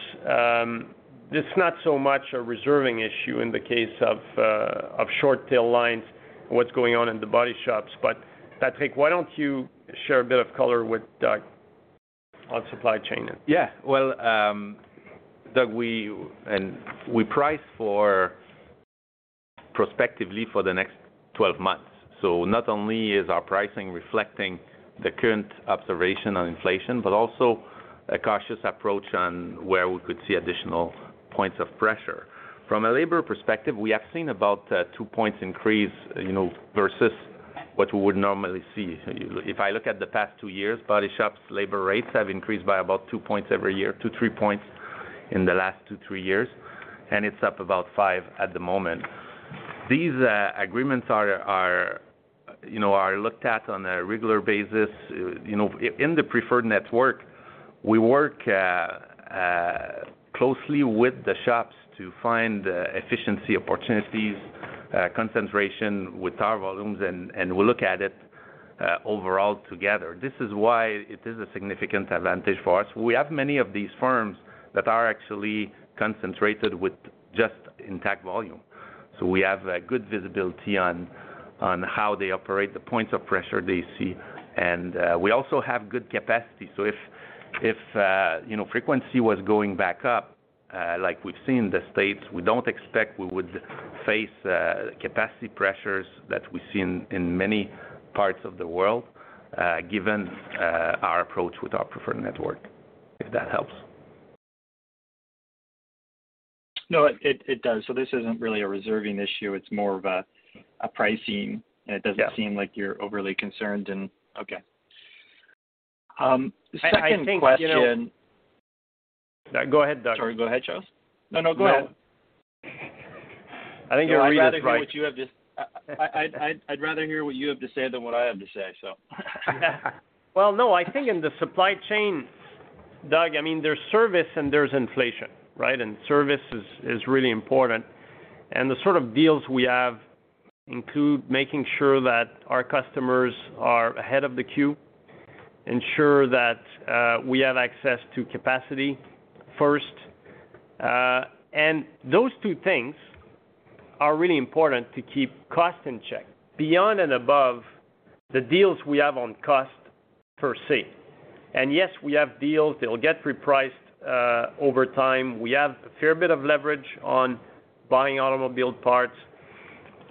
it's not so much a reserving issue in the case of short tail lines, what's going on in the body shops. Patrick, why don't you share a bit of color with Doug on supply chain then? Yeah. Well, Doug, we price prospectively for the next 12 months. Not only is our pricing reflecting the current observation on inflation, but also a cautious approach on where we could see additional points of pressure. From a labor perspective, we have seen about 2 points increase, you know, versus what we would normally see. If I look at the past two years, body shops labor rates have increased by about 2 points every year, 2-3 points in the last 2-3 years, and it's up about five at the moment. These agreements are looked at on a regular basis. You know, in the preferred network, we work closely with the shops to find efficiency opportunities, concentration with our volumes, and we look at it overall together. This is why it is a significant advantage for us. We have many of these firms that are actually concentrated with just Intact volume. We have a good visibility on how they operate, the points of pressure they see. We also have good capacity. If you know, frequency was going back up, like we've seen in the States, we don't expect we would face capacity pressures that we've seen in many parts of the world, given our approach with our preferred network, if that helps. No, it does. This isn't really a reserving issue. It's more of a pricing. Yeah. It doesn't seem like you're overly concerned. Okay. Second question- I think, you know. Go ahead, Doug. Sorry. Go ahead, Charles. No, no, go ahead. I think you read his mind. I'd rather hear what you have to say than what I have to say, so. Well, no, I think in the supply chain, Doug, I mean, there's service and there's inflation, right? Service is really important. The sort of deals we have include making sure that our customers are ahead of the queue, ensure that we have access to capacity first. Those two things are really important to keep costs in check beyond and above the deals we have on cost per se. Yes, we have deals. They'll get repriced over time. We have a fair bit of leverage on buying automobile parts.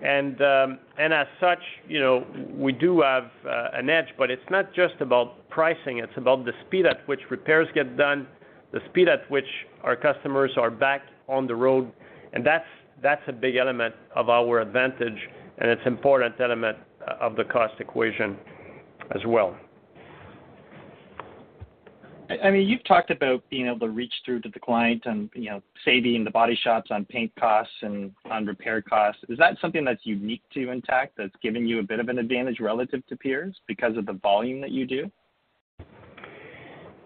As such, you know, we do have an edge, but it's not just about pricing, it's about the speed at which repairs get done, the speed at which our customers are back on the road, and that's a big element of our advantage, and it's important element of the cost equation as well. I mean, you've talked about being able to reach through to the client and, you know, saving the body shops on paint costs and on repair costs. Is that something that's unique to Intact that's given you a bit of an advantage relative to peers because of the volume that you do?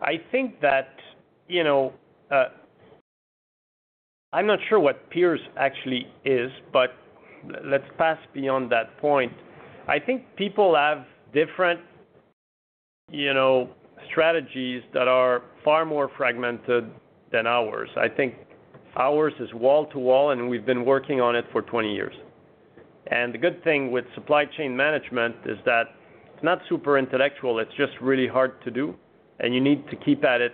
I think that, you know, I'm not sure what peers actually is, but let's pass beyond that point. I think people have different, you know, strategies that are far more fragmented than ours. I think ours is wall to wall, and we've been working on it for 20 years. The good thing with supply chain management is that it's not super intellectual, it's just really hard to do, and you need to keep at it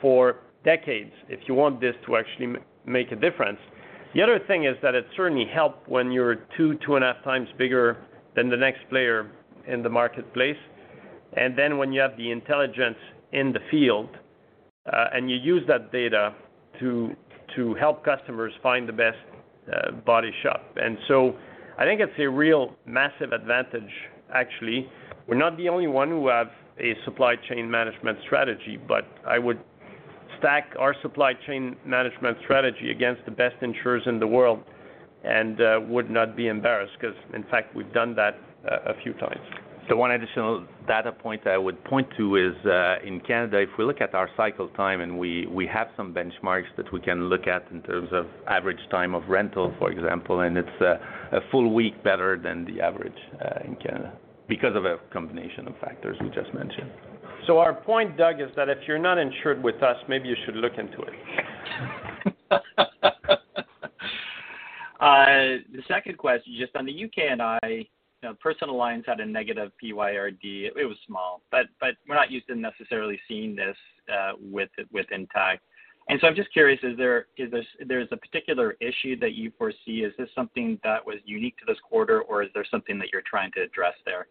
for decades if you want this to actually make a difference. The other thing is that it certainly help when you're 2-2.5 times bigger than the next player in the marketplace. Then when you have the intelligence in the field, and you use that data to help customers find the best body shop. I think it's a real massive advantage, actually. We're not the only one who have a supply chain management strategy, but I would stack our supply chain management strategy against the best insurers in the world and would not be embarrassed because, in fact, we've done that a few times. One additional data point I would point to is, in Canada, if we look at our cycle time and we have some benchmarks that we can look at in terms of average time of rental, for example, and it's a full week better than the average, in Canada because of a combination of factors we just mentioned. Our point, Doug, is that if you're not insured with us, maybe you should look into it. The second question, just on the UK&I, you know, personal lines had a negative PYD. It was small, but we're not used to necessarily seeing this with Intact. I'm just curious, is there a particular issue that you foresee? Is this something that was unique to this quarter, or is there something that you're trying to address there?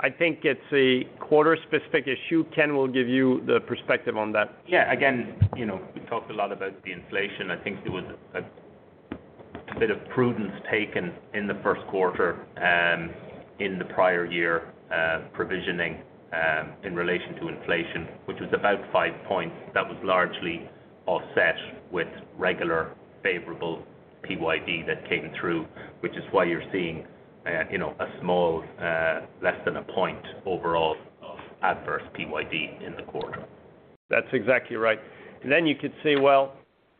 I think it's a quarter-specific issue. Ken will give you the perspective on that. Yeah. Again, you know, we talked a lot about the inflation. I think there was a bit of prudence taken in the first quarter in the prior year provisioning in relation to inflation, which was about 5 points that was largely offset with regular favorable PYD that came through, which is why you're seeing, you know, a small, less than a point overall of adverse PYD in the quarter. That's exactly right. You could say, well,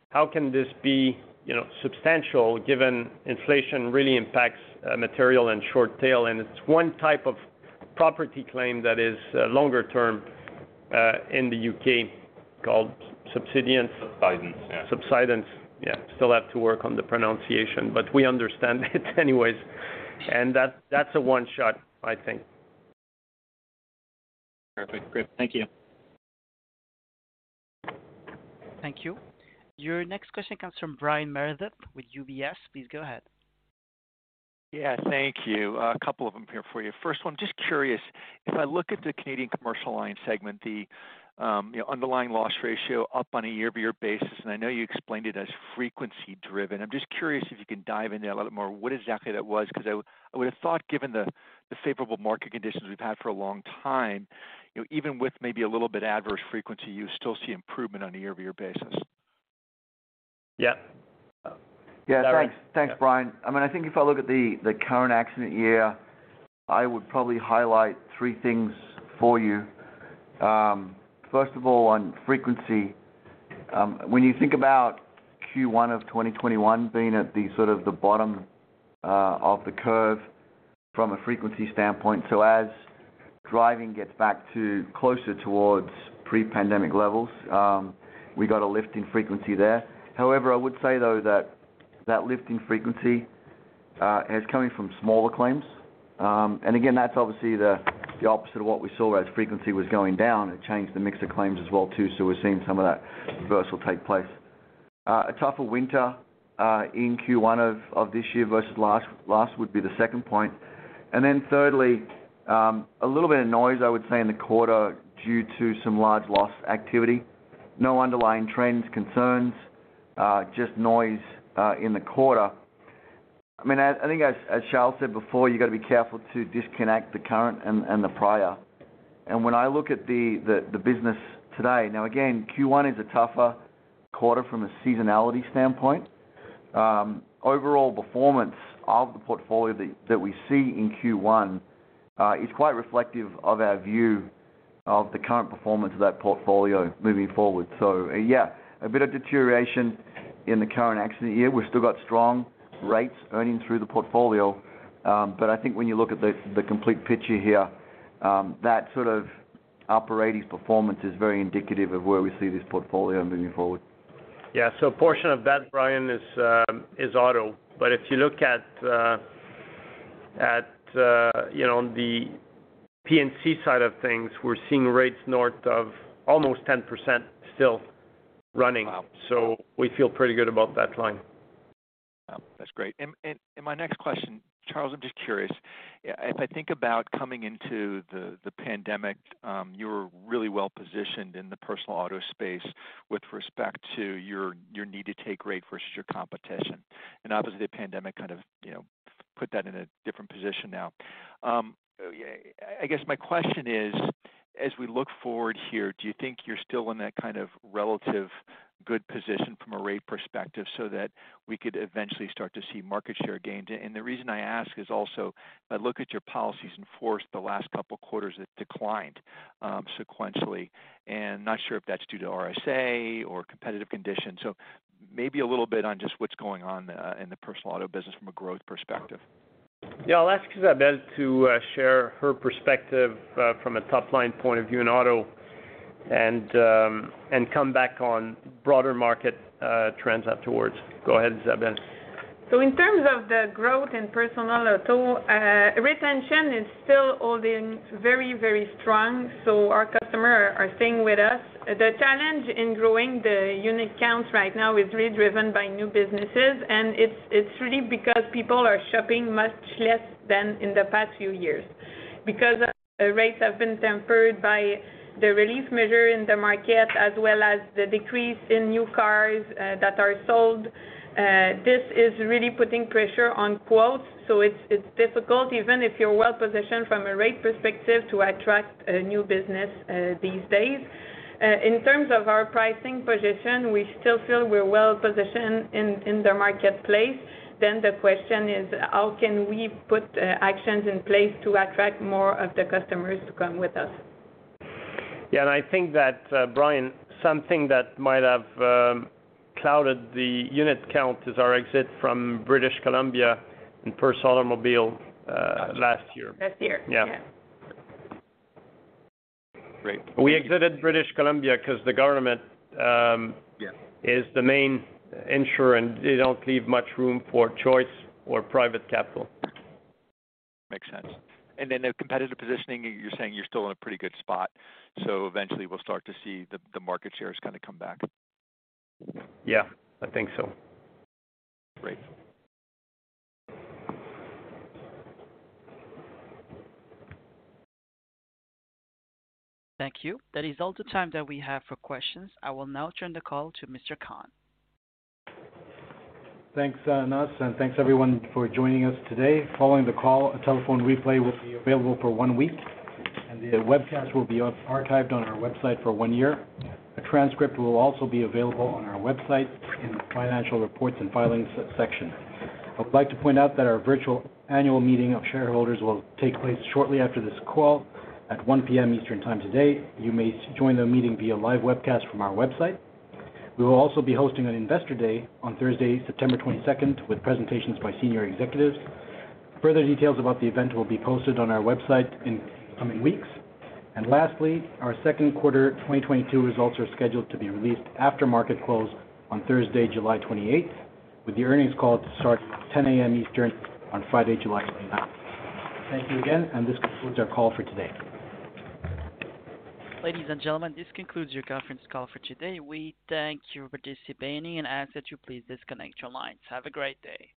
how can this be, you know, substantial given inflation really impacts material and short tail? It's one type of property claim that is longer term in the U.K. called subsidence. Subsidence, yeah. Subsidence, yeah. Still have to work on the pronunciation, but we understand it anyways. That's a one-shot, I think. Perfect. Great. Thank you. Thank you. Your next question comes from Brian Meredith with UBS. Please go ahead. Yeah, thank you. A couple of them here for you. First one, just curious, if I look at the Canadian commercial lines segment, the, you know, underlying loss ratio up on a year-over-year basis, and I know you explained it as frequency driven. I'm just curious if you can dive into that a lot more, what exactly that was, because I would have thought given the favorable market conditions we've had for a long time, you know, even with maybe a little bit adverse frequency, you still see improvement on a year-over-year basis. Yeah. Yeah. Thanks, Brian. I mean, I think if I look at the current accident year, I would probably highlight three things for you. First of all, on frequency, when you think about Q1 of 2021 being at the sort of the bottom of the curve from a frequency standpoint, so as driving gets back to closer towards pre-pandemic levels, we got a lift in frequency there. However, I would say though that that lift in frequency is coming from smaller claims. And again, that's obviously the opposite of what we saw as frequency was going down. It changed the mix of claims as well, too. So we're seeing some of that reversal take place. A tougher winter in Q1 of this year versus last would be the second point. Then thirdly, a little bit of noise I would say in the quarter due to some large loss activity. No underlying trends, concerns, just noise, in the quarter. I mean, I think as Charles said before, you got to be careful to disconnect the current and the prior. When I look at the business today, now again, Q1 is a tougher quarter from a seasonality standpoint. Overall performance of the portfolio that we see in Q1 is quite reflective of our view of the current performance of that portfolio moving forward. Yeah, a bit of deterioration in the current accident year. We've still got strong rates earning through the portfolio, but I think when you look at the complete picture here, that sort of upper 80s performance is very indicative of where we see this portfolio moving forward. Yeah. A portion of that, Brian, is auto. If you look at, you know, the P&C side of things, we're seeing rates north of almost 10% still running. Wow. We feel pretty good about that line. That's great. My next question, Charles, I'm just curious. If I think about coming into the pandemic, you're really well-positioned in the personal auto space with respect to your need to take rate versus your competition. And obviously, the pandemic kind of, you know, put that in a different position now. I guess my question is, as we look forward here, do you think you're still in that kind of relative good position from a rate perspective so that we could eventually start to see market share gained? And the reason I ask is also, I look at your policies in force the last couple quarters, it declined, sequentially. And not sure if that's due to RSA or competitive conditions. Maybe a little bit on just what's going on in the personal auto business from a growth perspective. Yeah. I'll ask Isabelle to share her perspective from a top-line point of view in auto and come back on broader market trends afterwards. Go ahead, Isabelle. In terms of the growth in personal auto, retention is still holding very, very strong. Our customer are staying with us. The challenge in growing the unit count right now is really driven by new businesses, and it's really because people are shopping much less than in the past few years. Because rates have been tempered by the relief measure in the market, as well as the decrease in new cars that are sold, this is really putting pressure on quotes. It's difficult, even if you're well-positioned from a rate perspective to attract new business these days. In terms of our pricing position, we still feel we're well-positioned in the marketplace. The question is, how can we put actions in place to attract more of the customers to come with us? Yeah. I think that, Brian, something that might have clouded the unit count is our exit from British Columbia in personal auto, last year. Last year. Yeah. Yeah. Great. We exited British Columbia because the government. Yeah is the main insurer, and they don't leave much room for choice or private capital. Makes sense. Then the competitive positioning, you're saying you're still in a pretty good spot. Eventually we'll start to see the market shares kind of come back. Yeah, I think so. Great. Thank you. That is all the time that we have for questions. I will now turn the call to Mr. Khan. Thanks, Anas, and thanks everyone for joining us today. Following the call, a telephone replay will be available for 1 week, and the webcast will be archived on our website for 1 year. A transcript will also be available on our website in the Financial Reports and Filings section. I would like to point out that our virtual annual meeting of shareholders will take place shortly after this call at 1:00 P.M. Eastern time today. You may join the meeting via live webcast from our website. We will also be hosting an investor day on Thursday, September 22, with presentations by senior executives. Further details about the event will be posted on our website in the coming weeks. Lastly, our second quarter 2022 results are scheduled to be released after market close on Thursday, July 28, with the earnings call to start 10:00 A.M. Eastern on Friday, July 29. Thank you again, and this concludes our call for today. Ladies and gentlemen, this concludes your conference call for today. We thank you for participating and ask that you please disconnect your lines. Have a great day.